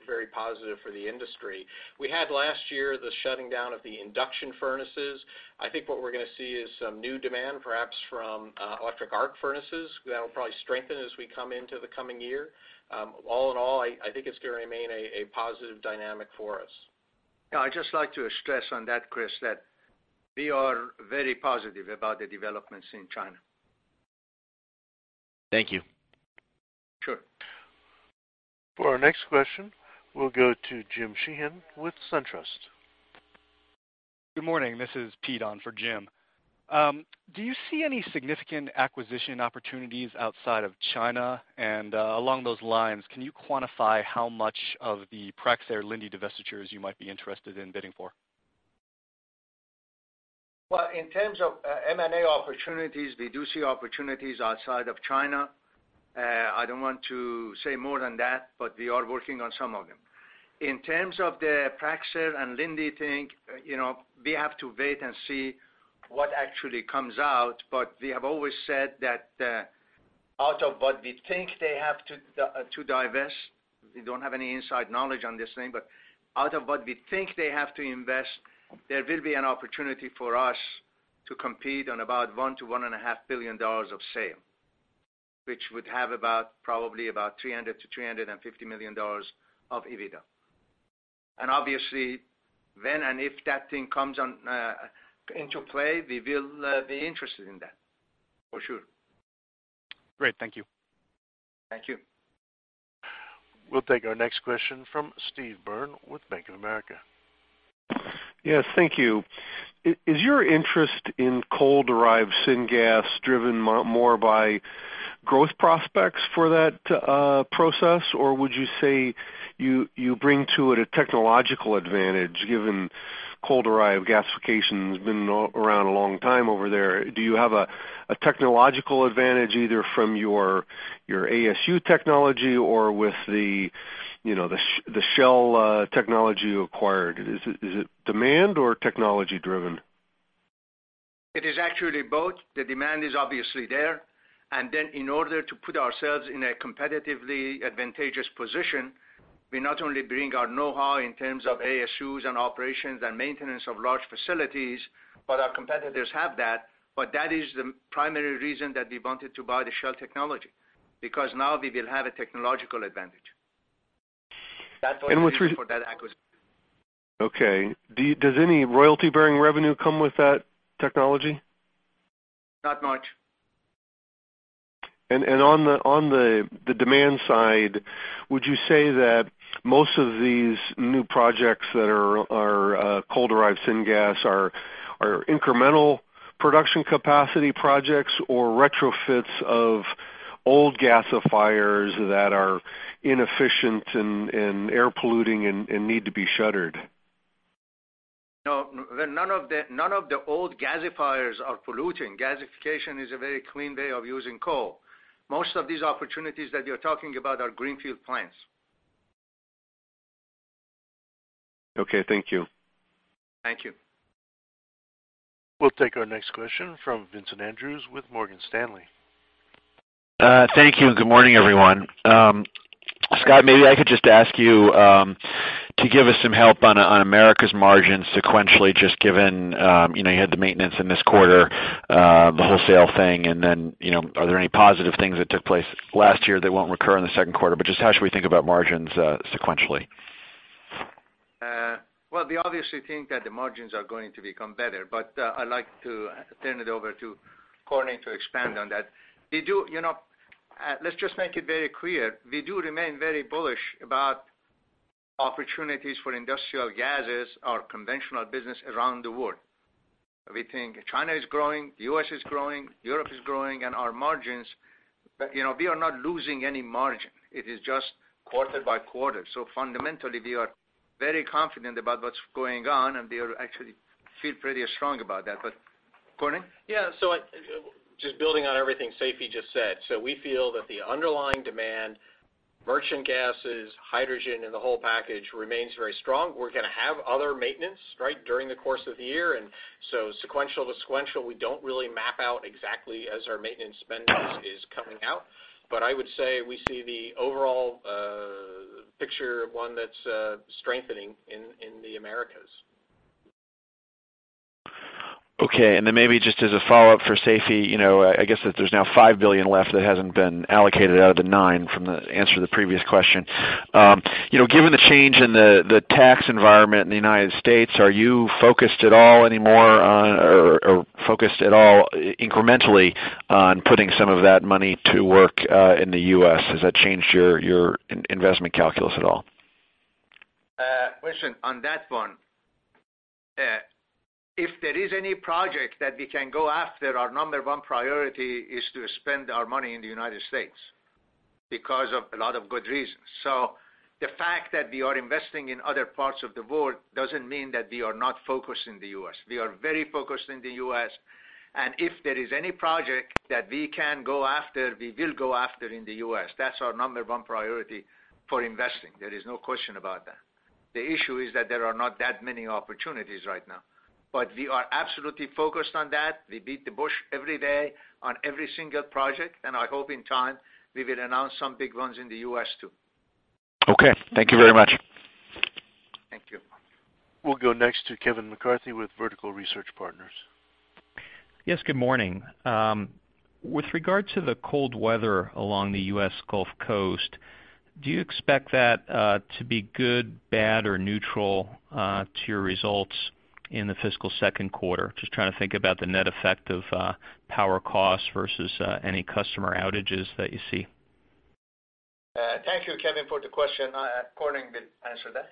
very positive for the industry. We had last year the shutting down of the induction furnaces. I think what we're going to see is some new demand, perhaps from electric arc furnaces. That'll probably strengthen as we come into the coming year. All in all, I think it's going to remain a positive dynamic for us. Yeah, I'd just like to stress on that, Chris, that we are very positive about the developments in China. Thank you. Sure. For our next question, we'll go to Jim Sheehan with SunTrust. Good morning. This is Pete on for Jim. Do you see any significant acquisition opportunities outside of China? Along those lines, can you quantify how much of the Praxair Linde divestitures you might be interested in bidding for? In terms of M&A opportunities, we do see opportunities outside of China. I don't want to say more than that, but we are working on some of them. In terms of the Praxair and Linde thing, we have to wait and see what actually comes out. We have always said that out of what we think they have to divest, we don't have any inside knowledge on this thing, but out of what we think they have to invest, there will be an opportunity for us to compete on about $1 billion-$1.5 billion of sale. Which would have probably about $300 million-$350 million of EBITDA. Obviously then, and if that thing comes into play, we will be interested in that, for sure. Great. Thank you. Thank you. We'll take our next question from Steve Byrne with Bank of America. Yes. Thank you. Is your interest in coal-derived syngas driven more by growth prospects for that process? Or would you say you bring to it a technological advantage, given coal-derived gasification has been around a long time over there? Do you have a technological advantage either from your ASU technology or with the Shell technology you acquired? Is it demand or technology driven? It is actually both. The demand is obviously there. In order to put ourselves in a competitively advantageous position, we not only bring our know-how in terms of ASUs and operations and maintenance of large facilities, our competitors have that. That is the primary reason that we wanted to buy the Shell technology, because now we will have a technological advantage. That's what it is for that acquisition. Okay. Does any royalty-bearing revenue come with that technology? Not much. On the demand side, would you say that most of these new projects that are coal-derived syngas are incremental production capacity projects or retrofits of old gasifiers that are inefficient and air polluting and need to be shuttered? Where none of the old gasifiers are polluting. Gasification is a very clean way of using coal. Most of these opportunities that you're talking about are greenfield plants. Okay. Thank you. Thank you. We'll take our next question from Vincent Andrews with Morgan Stanley. Thank you, and good morning, everyone. Scott, maybe I could just ask you to give us some help on Americas margin sequentially, just given you had the maintenance in this quarter, the wholesale thing, and then are there any positive things that took place last year that won't recur in the second quarter? Just how should we think about margins sequentially? Well, we obviously think that the margins are going to become better, but I'd like to turn it over to Corning to expand on that. Let's just make it very clear. We do remain very bullish about opportunities for industrial gases, our conventional business around the world. We think China is growing, the U.S. is growing, Europe is growing. We are not losing any margin. It is just quarter by quarter. Fundamentally, we are very confident about what's going on, and we actually feel pretty strong about that. Corning? Yeah. Just building on everything Seifi just said. We feel that the underlying demand, merchant gases, hydrogen, and the whole package remains very strong. We're going to have other maintenance right during the course of the year. Sequential to sequential, we don't really map out exactly as our maintenance spend is coming out. I would say we see the overall picture of one that's strengthening in the Americas. Okay. Then maybe just as a follow-up for Seifi, I guess that there's now $5 billion left that hasn't been allocated out of the $9 billion from the answer to the previous question. Given the change in the tax environment in the U.S., are you focused at all anymore on, or focused at all incrementally on putting some of that money to work in the U.S.? Has that changed your investment calculus at all? Vincent, on that one, if there is any project that we can go after, our number 1 priority is to spend our money in the U.S. because of a lot of good reasons. The fact that we are investing in other parts of the world doesn't mean that we are not focused in the U.S. We are very focused in the U.S., and if there is any project that we can go after, we will go after in the U.S. That's our number 1 priority for investing. There is no question about that. The issue is that there are not that many opportunities right now. We are absolutely focused on that. We beat the bush every day on every single project. I hope in time we will announce some big ones in the U.S. too. Okay. Thank you very much. Thank you. We'll go next to Kevin McCarthy with Vertical Research Partners. Yes, good morning. With regard to the cold weather along the U.S. Gulf Coast, do you expect that to be good, bad, or neutral to your results in the fiscal second quarter? Just trying to think about the net effect of power costs versus any customer outages that you see. Thank you, Kevin, for the question. Corning will answer that.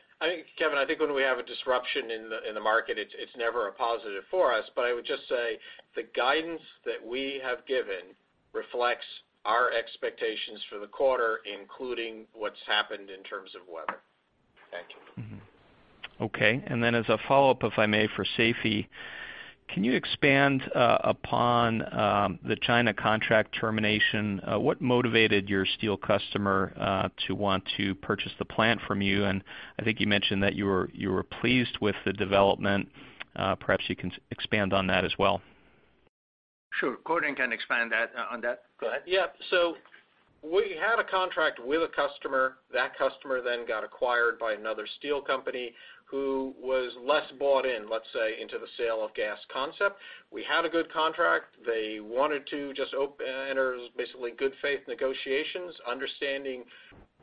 Kevin, I think when we have a disruption in the market, it's never a positive for us. I would just say the guidance that we have given reflects our expectations for the quarter, including what's happened in terms of weather. Thank you. Okay. As a follow-up, if I may, for Seifi, can you expand upon the China contract termination? What motivated your steel customer to want to purchase the plant from you? I think you mentioned that you were pleased with the development. Perhaps you can expand on that as well. Sure. Corning can expand on that. Go ahead. Yeah. We had a contract with a customer. That customer then got acquired by another steel company who was less bought in, let's say, into the sale of gas concept. We had a good contract. They wanted to just enter basically good faith negotiations, understanding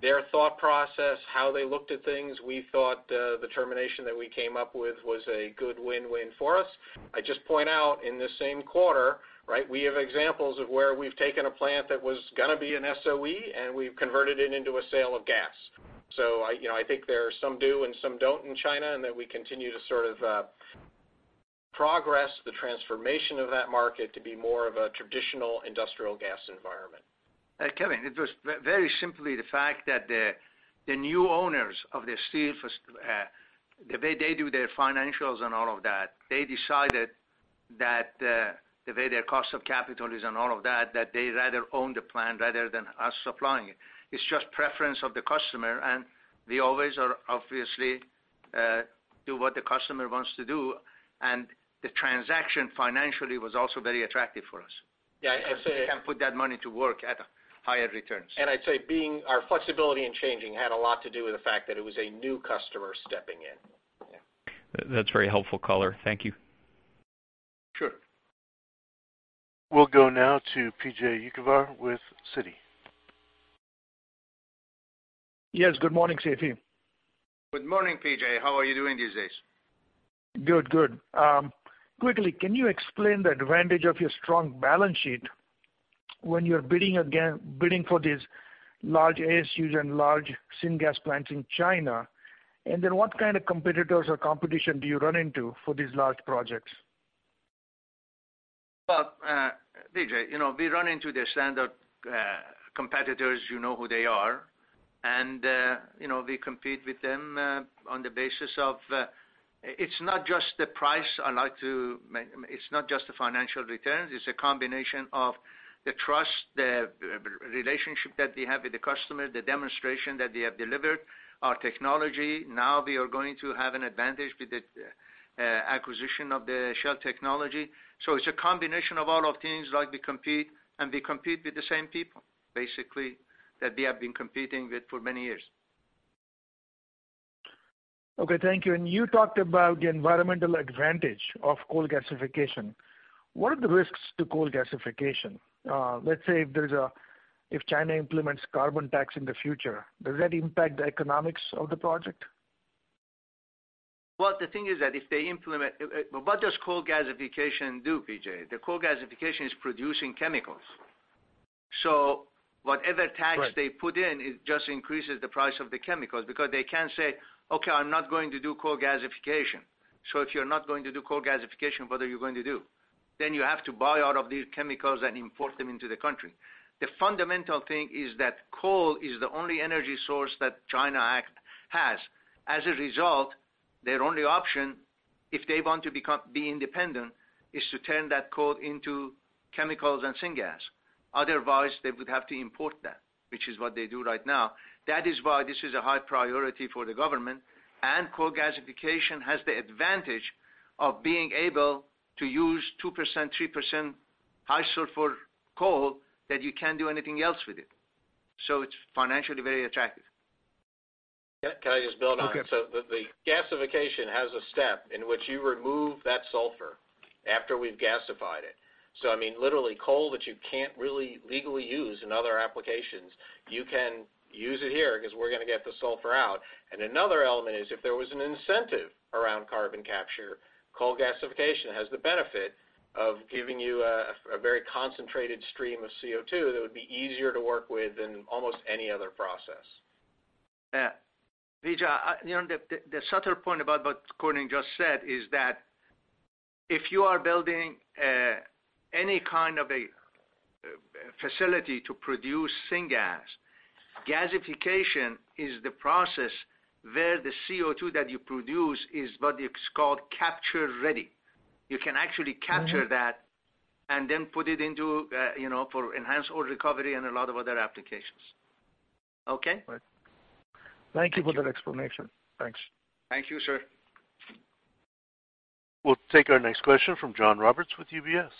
their thought process, how they looked at things. We thought the termination that we came up with was a good win-win for us. I just point out in the same quarter, we have examples of where we've taken a plant that was going to be an SOE, we've converted it into a sale of gas. I think there are some do and some don't in China, we continue to sort of progress the transformation of that market to be more of a traditional industrial gas environment. Kevin, it was very simply the fact that the new owners of the steel, the way they do their financials and all of that, they decided that the way their cost of capital is and all of that they rather own the plant rather than us supplying it. It's just preference of the customer, we always obviously do what the customer wants to do, the transaction financially was also very attractive for us. Yeah. We can put that money to work at higher returns. I'd say our flexibility in changing had a lot to do with the fact that it was a new customer stepping in. Yeah. That's very helpful, caller. Thank you. Sure. We'll go now to PJ Juvekar with Citi. Yes. Good morning, Seifi. Good morning, PJ. How are you doing these days? Good. Quickly, can you explain the advantage of your strong balance sheet when you're bidding for these large ASUs and large syngas plants in China? What kind of competitors or competition do you run into for these large projects? Well, PJ, we run into the standard competitors, you know who they are. We compete with them on the basis of, it's not just the price, it's not just the financial returns, it's a combination of the trust, the relationship that we have with the customer, the demonstration that we have delivered, our technology. Now we are going to have an advantage with the acquisition of the Shell technology. It's a combination of all things, we compete, and we compete with the same people, basically, that we have been competing with for many years. Okay. Thank you. You talked about the environmental advantage of coal gasification. What are the risks to coal gasification? Let's say if China implements carbon tax in the future, does that impact the economics of the project? Well, the thing is that if they implement. What does coal gasification do, PJ? The coal gasification is producing chemicals. Whatever tax Right they put in, it just increases the price of the chemicals because they can't say, "Okay, I'm not going to do coal gasification." If you're not going to do coal gasification, what are you going to do? You have to buy all of these chemicals and import them into the country. The fundamental thing is that coal is the only energy source that China has. As a result, their only option, if they want to be independent, is to turn that coal into chemicals and syngas. Otherwise, they would have to import that, which is what they do right now. That is why this is a high priority for the government, and coal gasification has the advantage of being able to use 2%, 3% high sulfur coal that you can't do anything else with. It's financially very attractive. Can I just build on? Okay. The gasification has a step in which you remove that sulfur after we've gasified it. I mean, literally coal that you can't really legally use in other applications, you can use it here because we're going to get the sulfur out. Another element is if there was an incentive around carbon capture, coal gasification has the benefit of giving you a very concentrated stream of CO2 that would be easier to work with than almost any other process. Yeah. Vijay, the subtle point about what Corning just said is that if you are building any kind of a facility to produce syngas, gasification is the process where the CO2 that you produce is what is called capture-ready. You can actually capture that and then put it in for enhanced oil recovery and a lot of other applications. Okay? Right. Thank you for that explanation. Thanks. Thank you, sir. We'll take our next question from John Roberts with UBS.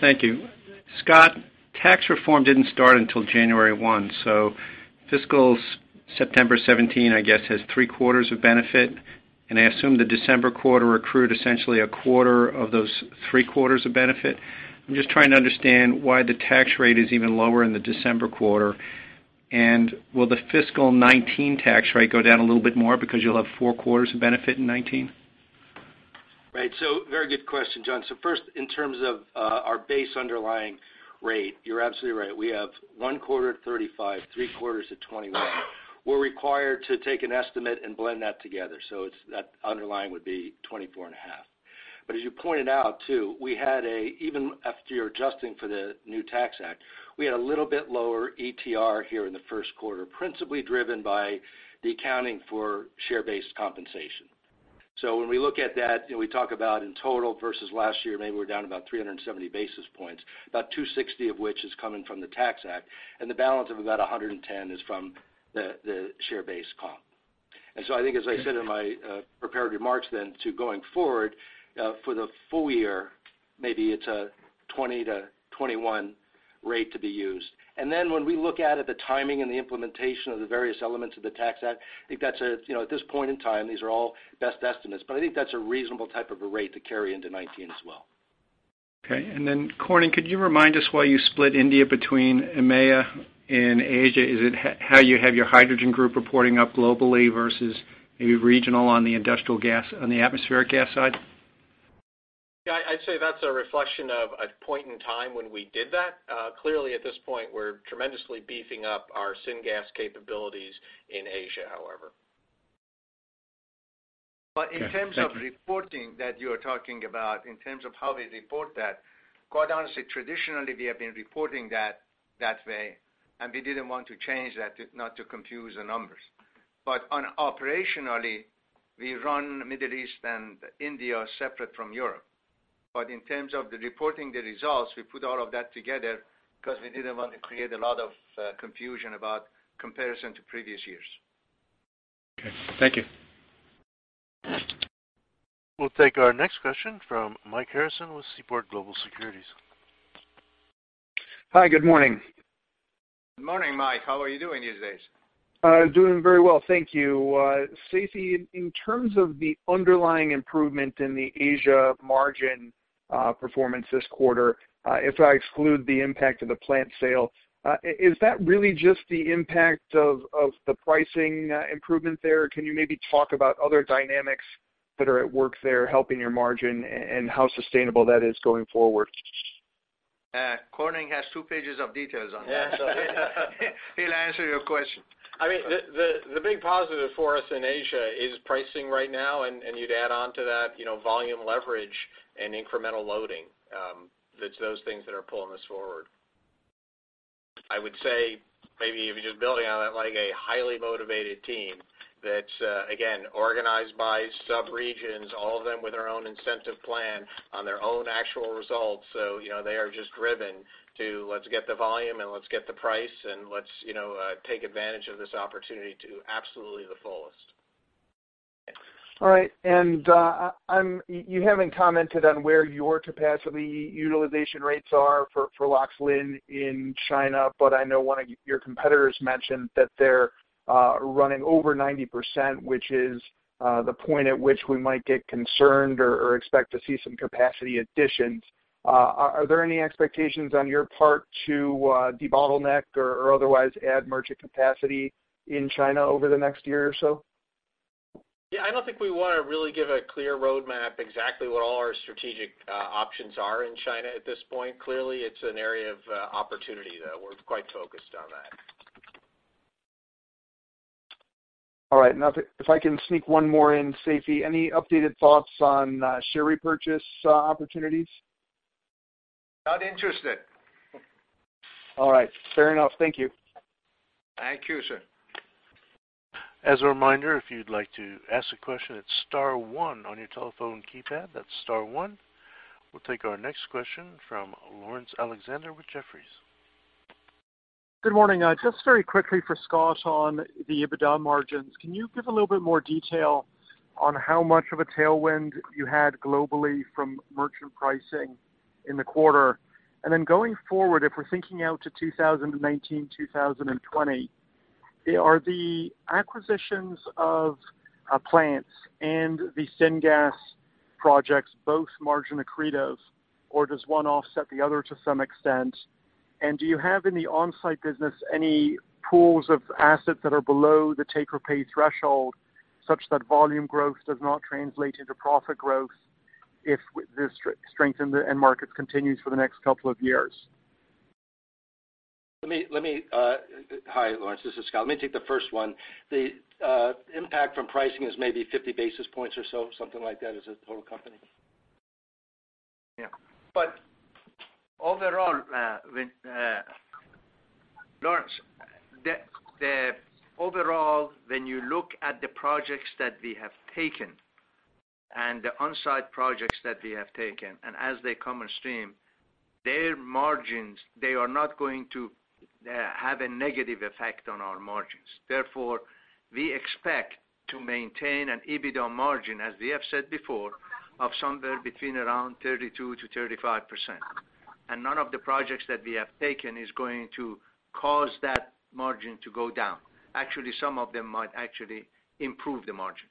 Thank you. Scott, tax reform didn't start until January 1, fiscal September 2017, I guess, has three quarters of benefit. I assume the December quarter accrued essentially a quarter of those three quarters of benefit. I'm just trying to understand why the tax rate is even lower in the December quarter. Will the fiscal 2019 tax rate go down a little bit more because you'll have four quarters of benefit in 2019? Right. Very good question, John. First, in terms of our base underlying rate, you're absolutely right. We have one quarter at 35%, three quarters at 21%. We're required to take an estimate and blend that together. That underlying would be 24.5%. As you pointed out too, even after you're adjusting for the new tax act, we had a little bit lower ETR here in the first quarter, principally driven by the accounting for share-based compensation. When we look at that, we talk about in total versus last year, maybe we're down about 370 basis points, about 260 of which is coming from the tax act, and the balance of about 110 is from the share-based comp. I think as I said in my prepared remarks then to going forward, for the full year, maybe it's a 20%-21% rate to be used. When we look out at the timing and the implementation of the various elements of the Tax Act, I think at this point in time, these are all best estimates, but I think that's a reasonable type of a rate to carry into 2019 as well. Okay. Corning, could you remind us why you split India between EMEA and Asia? Is it how you have your hydrogen group reporting up globally versus maybe regional on the atmospheric gas side? Yeah, I'd say that's a reflection of a point in time when we did that. Clearly, at this point, we're tremendously beefing up our syngas capabilities in Asia, however. Okay. Thank you. In terms of reporting that you're talking about, in terms of how we report that, quite honestly, traditionally, we have been reporting that that way, and we didn't want to change that, not to confuse the numbers. Operationally, we run Middle East and India separate from Europe. In terms of the reporting the results, we put all of that together because we didn't want to create a lot of confusion about comparison to previous years. Okay. Thank you. We'll take our next question from Mike Harrison with Seaport Global Securities. Hi, good morning. Good morning, Mike. How are you doing these days? Doing very well, thank you. Seifi, in terms of the underlying improvement in the Asia margin performance this quarter, if I exclude the impact of the plant sale, is that really just the impact of the pricing improvement there? Can you maybe talk about other dynamics that are at work there helping your margin, and how sustainable that is going forward? Corning has two pages of details on that. He'll answer your question. The big positive for us in Asia is pricing right now. You'd add onto that volume leverage and incremental loading. It's those things that are pulling us forward. I would say, maybe if you're just building on it like a highly motivated team, that's, again, organized by sub-regions, all of them with their own incentive plan on their own actual results. They are just driven to let's get the volume and let's get the price, and let's take advantage of this opportunity to absolutely the fullest. All right. You haven't commented on where your capacity utilization rates are for LAX LINQ in China, but I know one of your competitors mentioned that they're running over 90%, which is the point at which we might get concerned or expect to see some capacity additions. Are there any expectations on your part to debottleneck or otherwise add merchant capacity in China over the next year or so? Yeah, I don't think we want to really give a clear roadmap exactly what all our strategic options are in China at this point. Clearly, it's an area of opportunity, though. We're quite focused on that. All right. Now, if I can sneak one more in, Seifi. Any updated thoughts on share repurchase opportunities? Not interested. All right. Fair enough. Thank you. Thank you, sir. As a reminder, if you'd like to ask a question, it's star one on your telephone keypad. That's star one. We'll take our next question from Laurence Alexander with Jefferies. Good morning. Just very quickly for Scott on the EBITDA margins. Can you give a little bit more detail on how much of a tailwind you had globally from merchant pricing in the quarter? Then going forward, if we're thinking out to 2019, 2020, are the acquisitions of plants and the syngas projects both margin accretive, or does one offset the other to some extent? Do you have in the onsite business any pools of assets that are below the take-or-pay threshold, such that volume growth does not translate into profit growth if the strength in the end markets continues for the next couple of years? Hi, Laurence. This is Scott. Let me take the first one. The impact from pricing is maybe 50 basis points or so, something like that, as a total company. Yeah. Overall, Laurence, when you look at the projects that we have taken and the onsite projects that we have taken, as they come on stream, their margins, they are not going to have a negative effect on our margins. Therefore, we expect to maintain an EBITDA margin, as we have said before, of somewhere between around 32%-35%. None of the projects that we have taken is going to cause that margin to go down. Actually, some of them might actually improve the margin.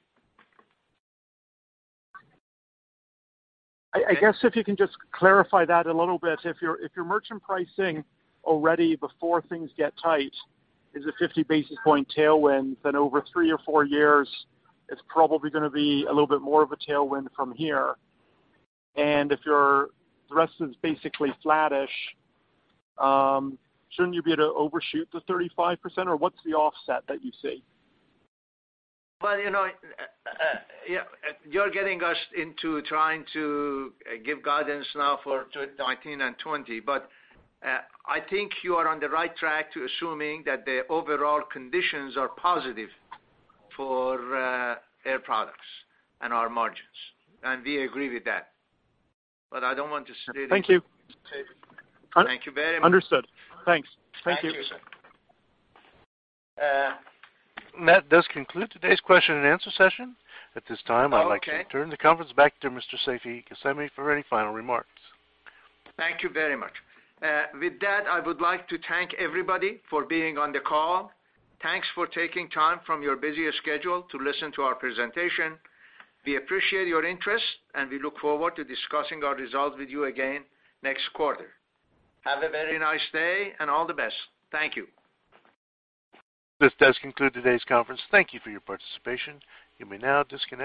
I guess if you can just clarify that a little bit. If your merchant pricing already before things get tight is a 50 basis point tailwind, over three or four years, it's probably going to be a little bit more of a tailwind from here. If the rest is basically flattish, shouldn't you be able to overshoot the 35%? What's the offset that you see? You're getting us into trying to give guidance now for 2019 and 2020. I think you are on the right track to assuming that the overall conditions are positive for Air Products and our margins. We agree with that. I don't want to say. Thank you. Thank you very much. Understood. Thanks. Thank you. Thank you, sir. That does conclude today's question and answer session. At this time, I'd like to turn the conference back to Mr. Seifi Ghasemi for any final remarks. Thank you very much. With that, I would like to thank everybody for being on the call. Thanks for taking time from your busy schedule to listen to our presentation. We appreciate your interest, we look forward to discussing our results with you again next quarter. Have a very nice day, all the best. Thank you. This does conclude today's conference. Thank you for your participation. You may now disconnect.